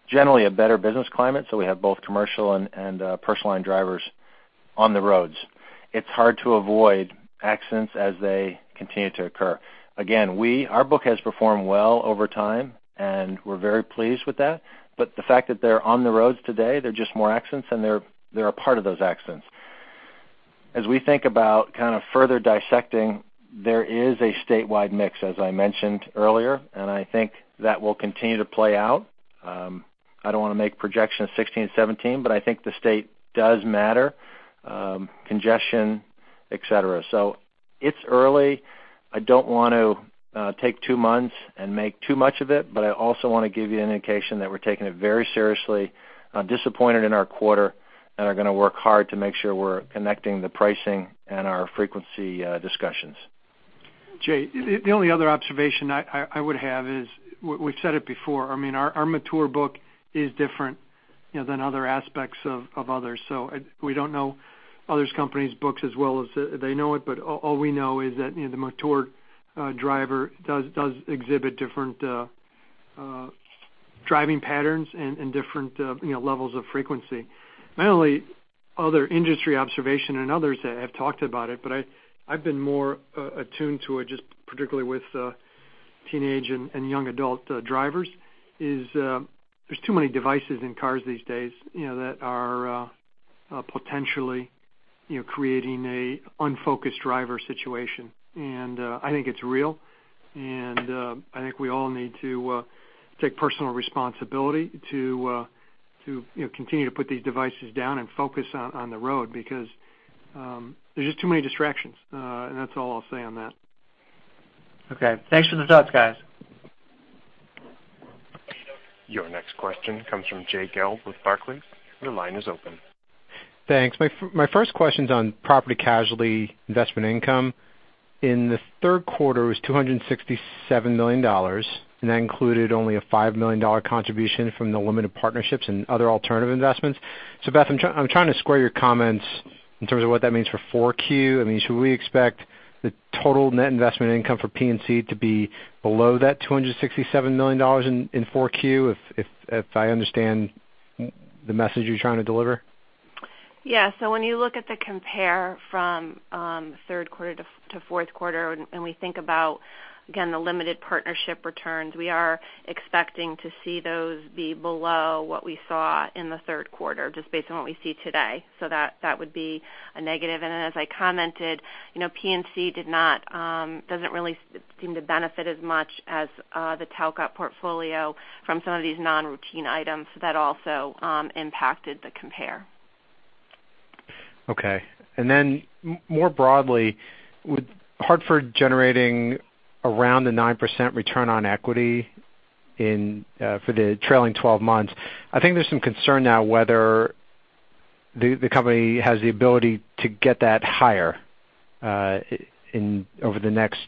generally a better business climate. We have both commercial and personal line drivers on the roads. It's hard to avoid accidents as they continue to occur. Again, our book has performed well over time, and we're very pleased with that. The fact that they're on the roads today, they're just more accidents, and they're a part of those accidents. As we think about kind of further dissecting, there is a statewide mix, as I mentioned earlier, and I think that will continue to play out. I don't want to make projections of 2016 and 2017, but I think the state does matter, congestion, et cetera. It's early. I don't want to take two months and make too much of it, but I also want to give you an indication that we're taking it very seriously, disappointed in our quarter, and are going to work hard to make sure we're connecting the pricing and our frequency discussions. Jay, the only other observation I would have is we've said it before. Our mature book is different than other aspects of others. We don't know other companies' books as well as they know it, but all we know is that the mature driver does exhibit different driving patterns and different levels of frequency. Not only other industry observation and others have talked about it, but I've been more attuned to it, just particularly with teenage and young adult drivers, is there's too many devices in cars these days that are potentially creating a unfocused driver situation. I think it's real, and I think we all need to take personal responsibility to continue to put these devices down and focus on the road because there's just too many distractions. That's all I'll say on that. Okay. Thanks for the thoughts, guys. Your next question comes from Jay Gelb with Barclays. Your line is open. Thanks. My first question's on property casualty investment income. In the third quarter, it was $267 million, and that included only a $5 million contribution from the limited partnerships and other alternative investments. Beth, I'm trying to square your comments in terms of what that means for 4Q. Should we expect the total net investment income for P&C to be below that $267 million in 4Q, if I understand the message you're trying to deliver? When you look at the compare from third quarter to fourth quarter, and we think about, again, the limited partnership returns, we are expecting to see those be below what we saw in the third quarter, just based on what we see today. That would be a negative. As I commented, P&C doesn't really seem to benefit as much as the Talcott portfolio from some of these non-routine items that also impacted the compare. More broadly, with Hartford generating around the 9% return on equity for the trailing 12 months, I think there's some concern now whether the company has the ability to get that higher over the next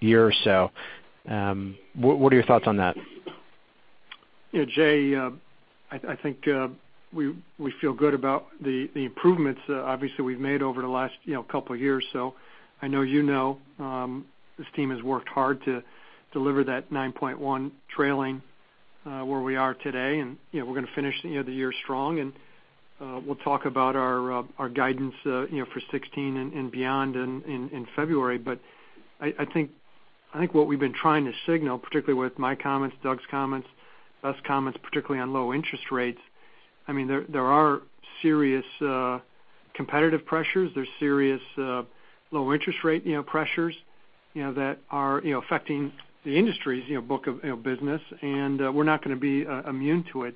year or so. What are your thoughts on that? Jay, I think we feel good about the improvements obviously we've made over the last couple of years. I know you know this team has worked hard to deliver that 9.1 trailing where we are today, and we're going to finish the year strong. We'll talk about our guidance for 2016 and beyond in February. I think what we've been trying to signal, particularly with my comments, Doug's comments, Beth's comments, particularly on low interest rates, there are serious competitive pressures. There's serious low interest rate pressures that are affecting the industry's book of business, and we're not going to be immune to it.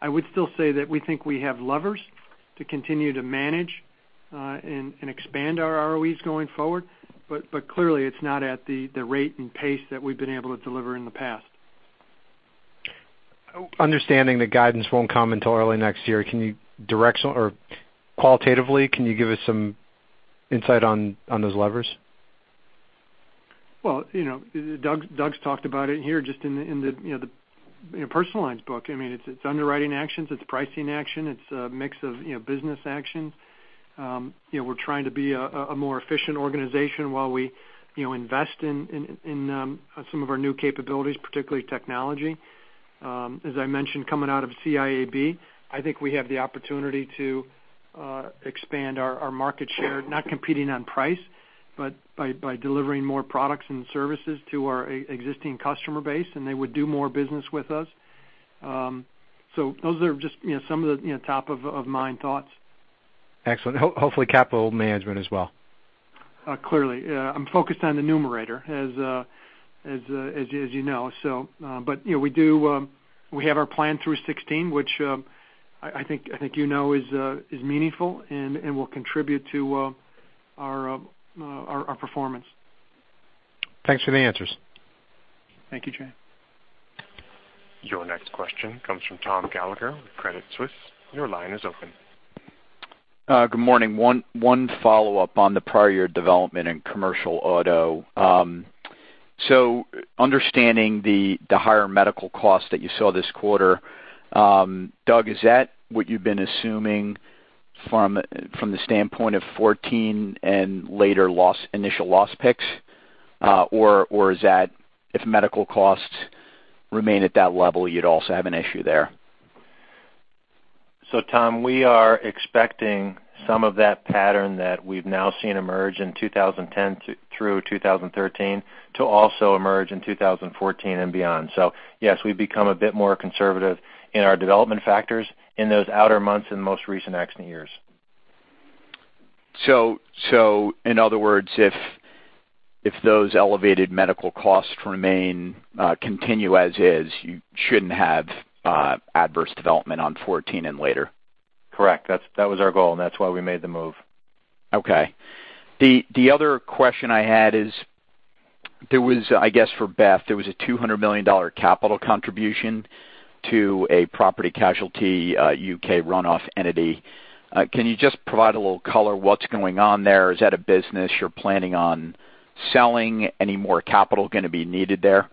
I would still say that we think we have levers to continue to manage and expand our ROEs going forward. Clearly, it's not at the rate and pace that we've been able to deliver in the past. Understanding the guidance won't come until early next year. Qualitatively, can you give us some insight on those levers? Well, Doug's talked about it here, just in the personal lines book. It's underwriting actions, it's pricing action. It's a mix of business action. We're trying to be a more efficient organization while we invest in some of our new capabilities, particularly technology. As I mentioned, coming out of CIAB, I think we have the opportunity to expand our market share, not competing on price, but by delivering more products and services to our existing customer base, and they would do more business with us. Those are just some of the top of mind thoughts. Excellent. Hopefully, capital management as well. Clearly. I'm focused on the numerator, as you know. We have our plan through 2016, which I think you know is meaningful and will contribute to our performance. Thanks for the answers. Thank you, Jay. Your next question comes from Tom Gallagher with Credit Suisse. Your line is open. Good morning. One follow-up on the prior year development in commercial auto. Understanding the higher medical costs that you saw this quarter, Doug, is that what you've been assuming from the standpoint of 2014 and later initial loss picks? Or is that if medical costs remain at that level, you'd also have an issue there? Tom, we are expecting some of that pattern that we've now seen emerge in 2010 through 2013 to also emerge in 2014 and beyond. Yes, we've become a bit more conservative in our development factors in those outer months in the most recent accident years. In other words, if those elevated medical costs remain continue as is, you shouldn't have adverse development on 2014 and later. Correct. That was our goal, and that's why we made the move. Okay. The other question I had is, I guess for Beth, there was a $200 million capital contribution to a property casualty U.K. runoff entity. Can you just provide a little color what's going on there? Is that a business you're planning on selling? Any more capital going to be needed there?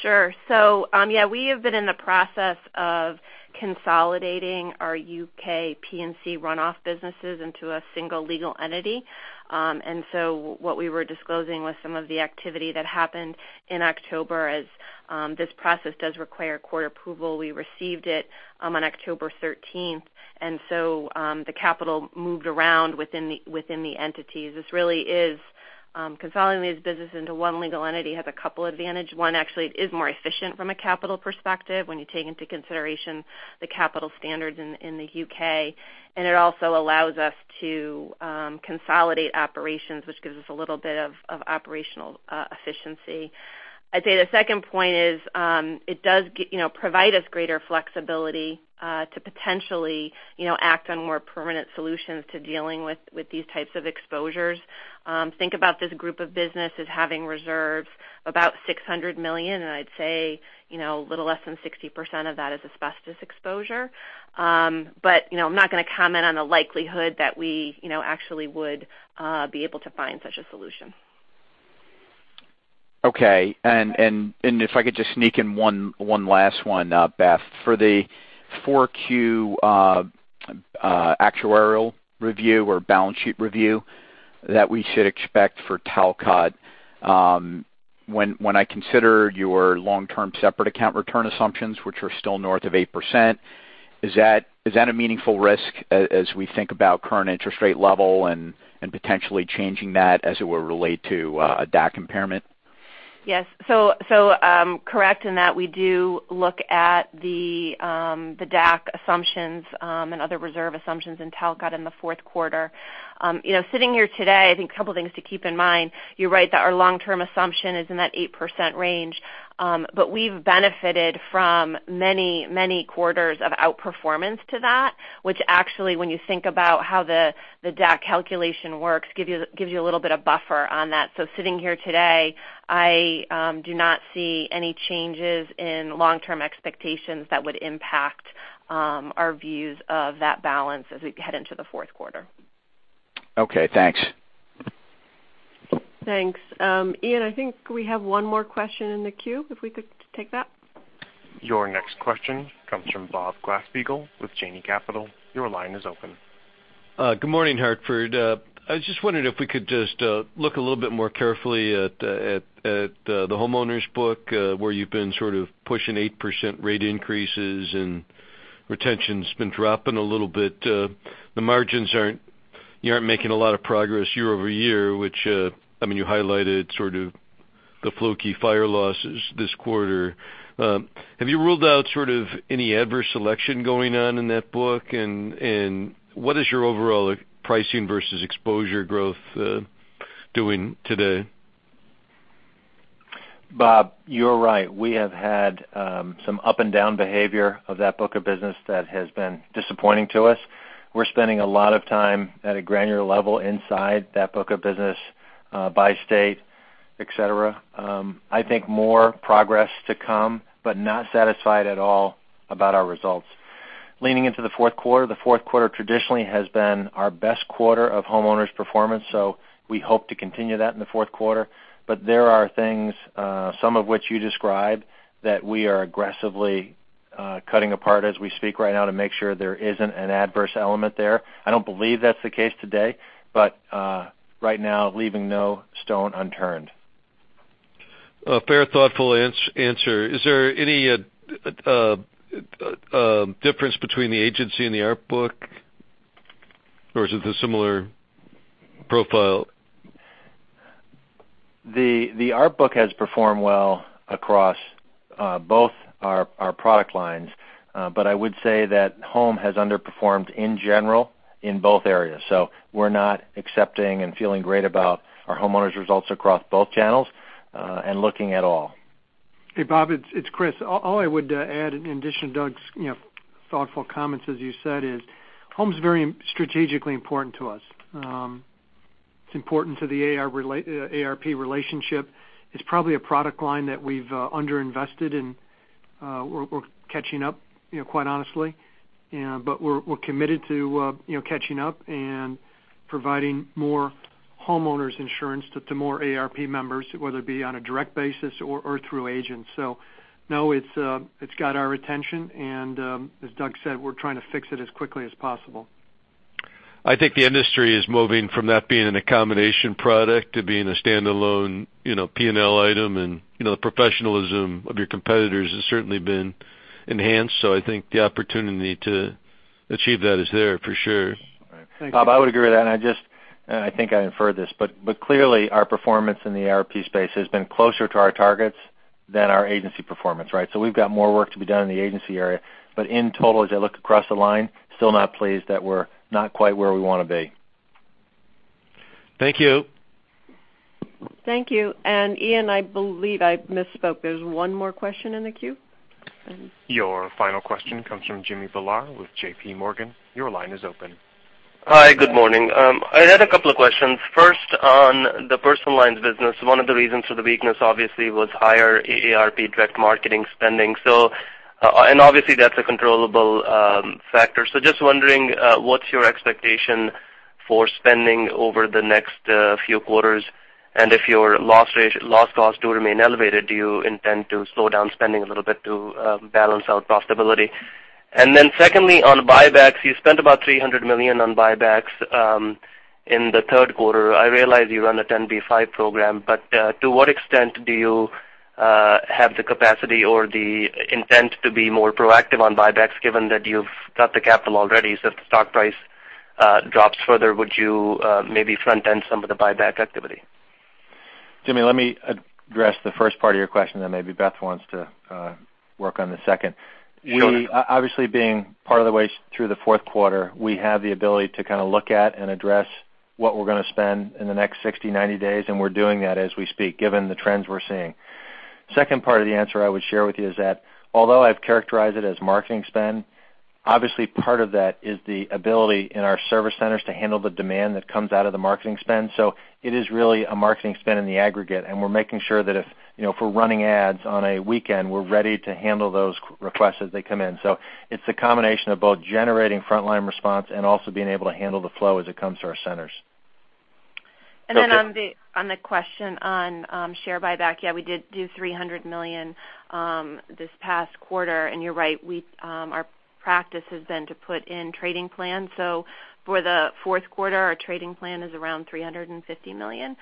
Sure. We have been in the process of consolidating our U.K. P&C runoff businesses into a single legal entity. What we were disclosing was some of the activity that happened in October as this process does require court approval. We received it on October 13th, the capital moved around within the entities. This really is consolidating these businesses into one legal entity has a couple advantage. One, it is more efficient from a capital perspective when you take into consideration the capital standards in the U.K. It also allows us to consolidate operations, which gives us a little bit of operational efficiency. I'd say the second point is it does provide us greater flexibility to potentially act on more permanent solutions to dealing with these types of exposures. Think about this group of business as having reserves about $600 million, and I'd say a little less than 60% of that is asbestos exposure. I'm not going to comment on the likelihood that we actually would be able to find such a solution. Okay. If I could just sneak in one last one, Beth. For the 4Q actuarial review or balance sheet review that we should expect for Talcott When I consider your long-term separate account return assumptions, which are still north of 8%, is that a meaningful risk as we think about current interest rate level and potentially changing that, as it would relate to a DAC impairment? Yes. Correct in that we do look at the DAC assumptions and other reserve assumptions in Talcott in the fourth quarter. Sitting here today, I think a couple things to keep in mind, you're right that our long-term assumption is in that 8% range. We've benefited from many quarters of outperformance to that, which actually, when you think about how the DAC calculation works, gives you a little bit of buffer on that. Sitting here today, I do not see any changes in long-term expectations that would impact our views of that balance as we head into the fourth quarter. Okay, thanks. Thanks. Ian, I think we have one more question in the queue, if we could take that. Your next question comes from Bob Glasspiegel with Janney Capital. Your line is open. Good morning, Hartford. I was just wondering if we could just look a little bit more carefully at the homeowners book, where you've been sort of pushing 8% rate increases and retention's been dropping a little bit. The margins, you aren't making a lot of progress year-over-year, which you highlighted sort of the fluky fire losses this quarter. Have you ruled out any adverse selection going on in that book? What is your overall pricing versus exposure growth doing today? Bob, you're right. We have had some up-and-down behavior of that book of business that has been disappointing to us. We're spending a lot of time at a granular level inside that book of business, by state, et cetera. I think more progress to come, not satisfied at all about our results. Leaning into the fourth quarter, the fourth quarter traditionally has been our best quarter of homeowners performance, we hope to continue that in the fourth quarter. There are things, some of which you described, that we are aggressively cutting apart as we speak right now to make sure there isn't an adverse element there. I don't believe that's the case today, right now, leaving no stone unturned. A very thoughtful answer. Is there any difference between the agency and the AARP book? Is it a similar profile? The AARP book has performed well across both our product lines. I would say that home has underperformed in general in both areas. We're not accepting and feeling great about our homeowners results across both channels, and looking at all. Hey, Bob, it's Chris. All I would add in addition to Doug's thoughtful comments, as you said, is home's very strategically important to us. It's important to the AARP relationship. It's probably a product line that we've underinvested in. We're catching up, quite honestly. We're committed to catching up and providing more homeowners insurance to more AARP members, whether it be on a direct basis or through agents. No, it's got our attention and, as Doug said, we're trying to fix it as quickly as possible. I think the industry is moving from that being an accommodation product to being a standalone P&L item, the professionalism of your competitors has certainly been enhanced. I think the opportunity to achieve that is there for sure. Bob, I would agree with that. I think I inferred this, clearly our performance in the AARP space has been closer to our targets than our agency performance, right? We've got more work to be done in the agency area. In total, as I look across the line, still not pleased that we're not quite where we want to be. Thank you. Thank you. Ian, I believe I misspoke. There is one more question in the queue? Your final question comes from Jimmy Bhullar with J.P. Morgan. Your line is open. Hi, good morning. I had a couple of questions. First, on the personal lines business, one of the reasons for the weakness, obviously, was higher AARP direct marketing spending. Obviously, that's a controllable factor. Just wondering, what's your expectation for spending over the next few quarters? If your loss rates do remain elevated, do you intend to slow down spending a little bit to balance out profitability? Secondly, on buybacks, you spent about $300 million on buybacks in the third quarter. I realize you run a 10b5-1 program, to what extent do you have the capacity or the intent to be more proactive on buybacks, given that you've got the capital already? If the stock price drops further, would you maybe front end some of the buyback activity? Jimmy, let me address the first part of your question, maybe Beth wants to work on the second. Obviously being part of the way through the fourth quarter, we have the ability to look at and address what we're going to spend in the next 60, 90 days, we're doing that as we speak, given the trends we're seeing. Second part of the answer I would share with you is that although I've characterized it as marketing spend, obviously part of that is the ability in our service centers to handle the demand that comes out of the marketing spend. It is really a marketing spend in the aggregate, we're making sure that if we're running ads on a weekend, we're ready to handle those requests as they come in. It's a combination of both generating frontline response and also being able to handle the flow as it comes to our centers. On the question on share buyback, yeah, we did do $300 million this past quarter. You're right, our practice has been to put in trading plans. For the fourth quarter, our trading plan is around $350 million.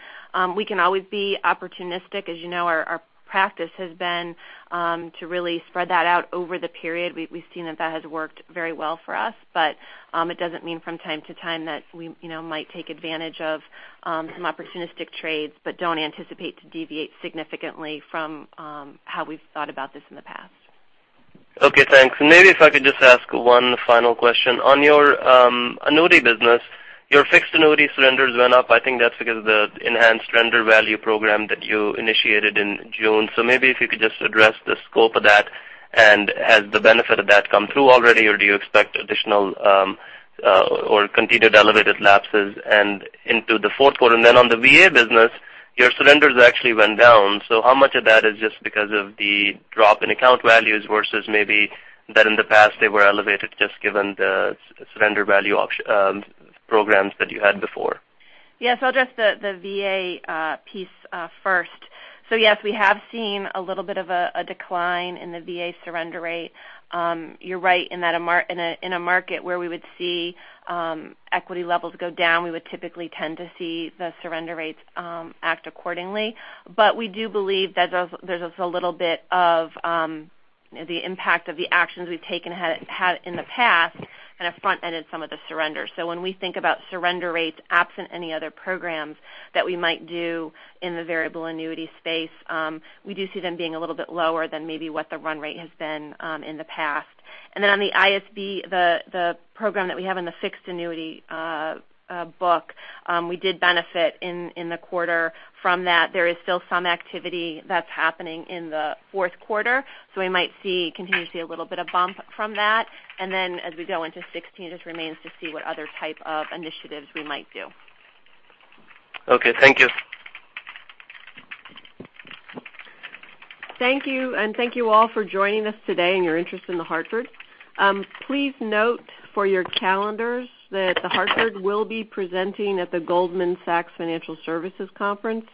We can always be opportunistic. As you know, our practice has been to really spread that out over the period. We've seen that has worked very well for us, but it doesn't mean from time to time that we might take advantage of some opportunistic trades, but don't anticipate to deviate significantly from how we've thought about this in the past. Okay, thanks. Maybe if I could just ask one final question. On your annuity business, your fixed annuity surrenders went up. I think that's because of the enhanced surrender value program that you initiated in June. Maybe if you could just address the scope of that, and has the benefit of that come through already, or do you expect additional or continued elevated lapses and into the fourth quarter? On the VA business, your surrenders actually went down. So how much of that is just because of the drop in account values versus maybe that in the past they were elevated just given the surrender value programs that you had before? Yes, I'll address the VA piece first. Yes, we have seen a little bit of a decline in the VA surrender rate. You're right, in a market where we would see equity levels go down, we would typically tend to see the surrender rates act accordingly. We do believe there's just a little bit of the impact of the actions we've taken had in the past, kind of front-ended some of the surrenders. On the ISB, the program that we have in the fixed annuity book, we did benefit in the quarter from that. There is still some activity that's happening in the fourth quarter. We might continue to see a little bit of bump from that. As we go into 2016, it remains to see what other type of initiatives we might do. Okay, thank you. Thank you, and thank you all for joining us today and your interest in The Hartford. Please note for your calendars that The Hartford will be presenting at the Goldman Sachs Financial Services Conference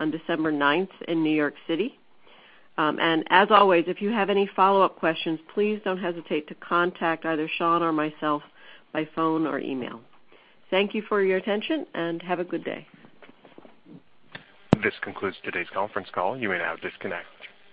on December 9th in New York City. As always, if you have any follow-up questions, please don't hesitate to contact either Sean or myself by phone or email. Thank you for your attention, and have a good day. This concludes today's conference call. You may now disconnect.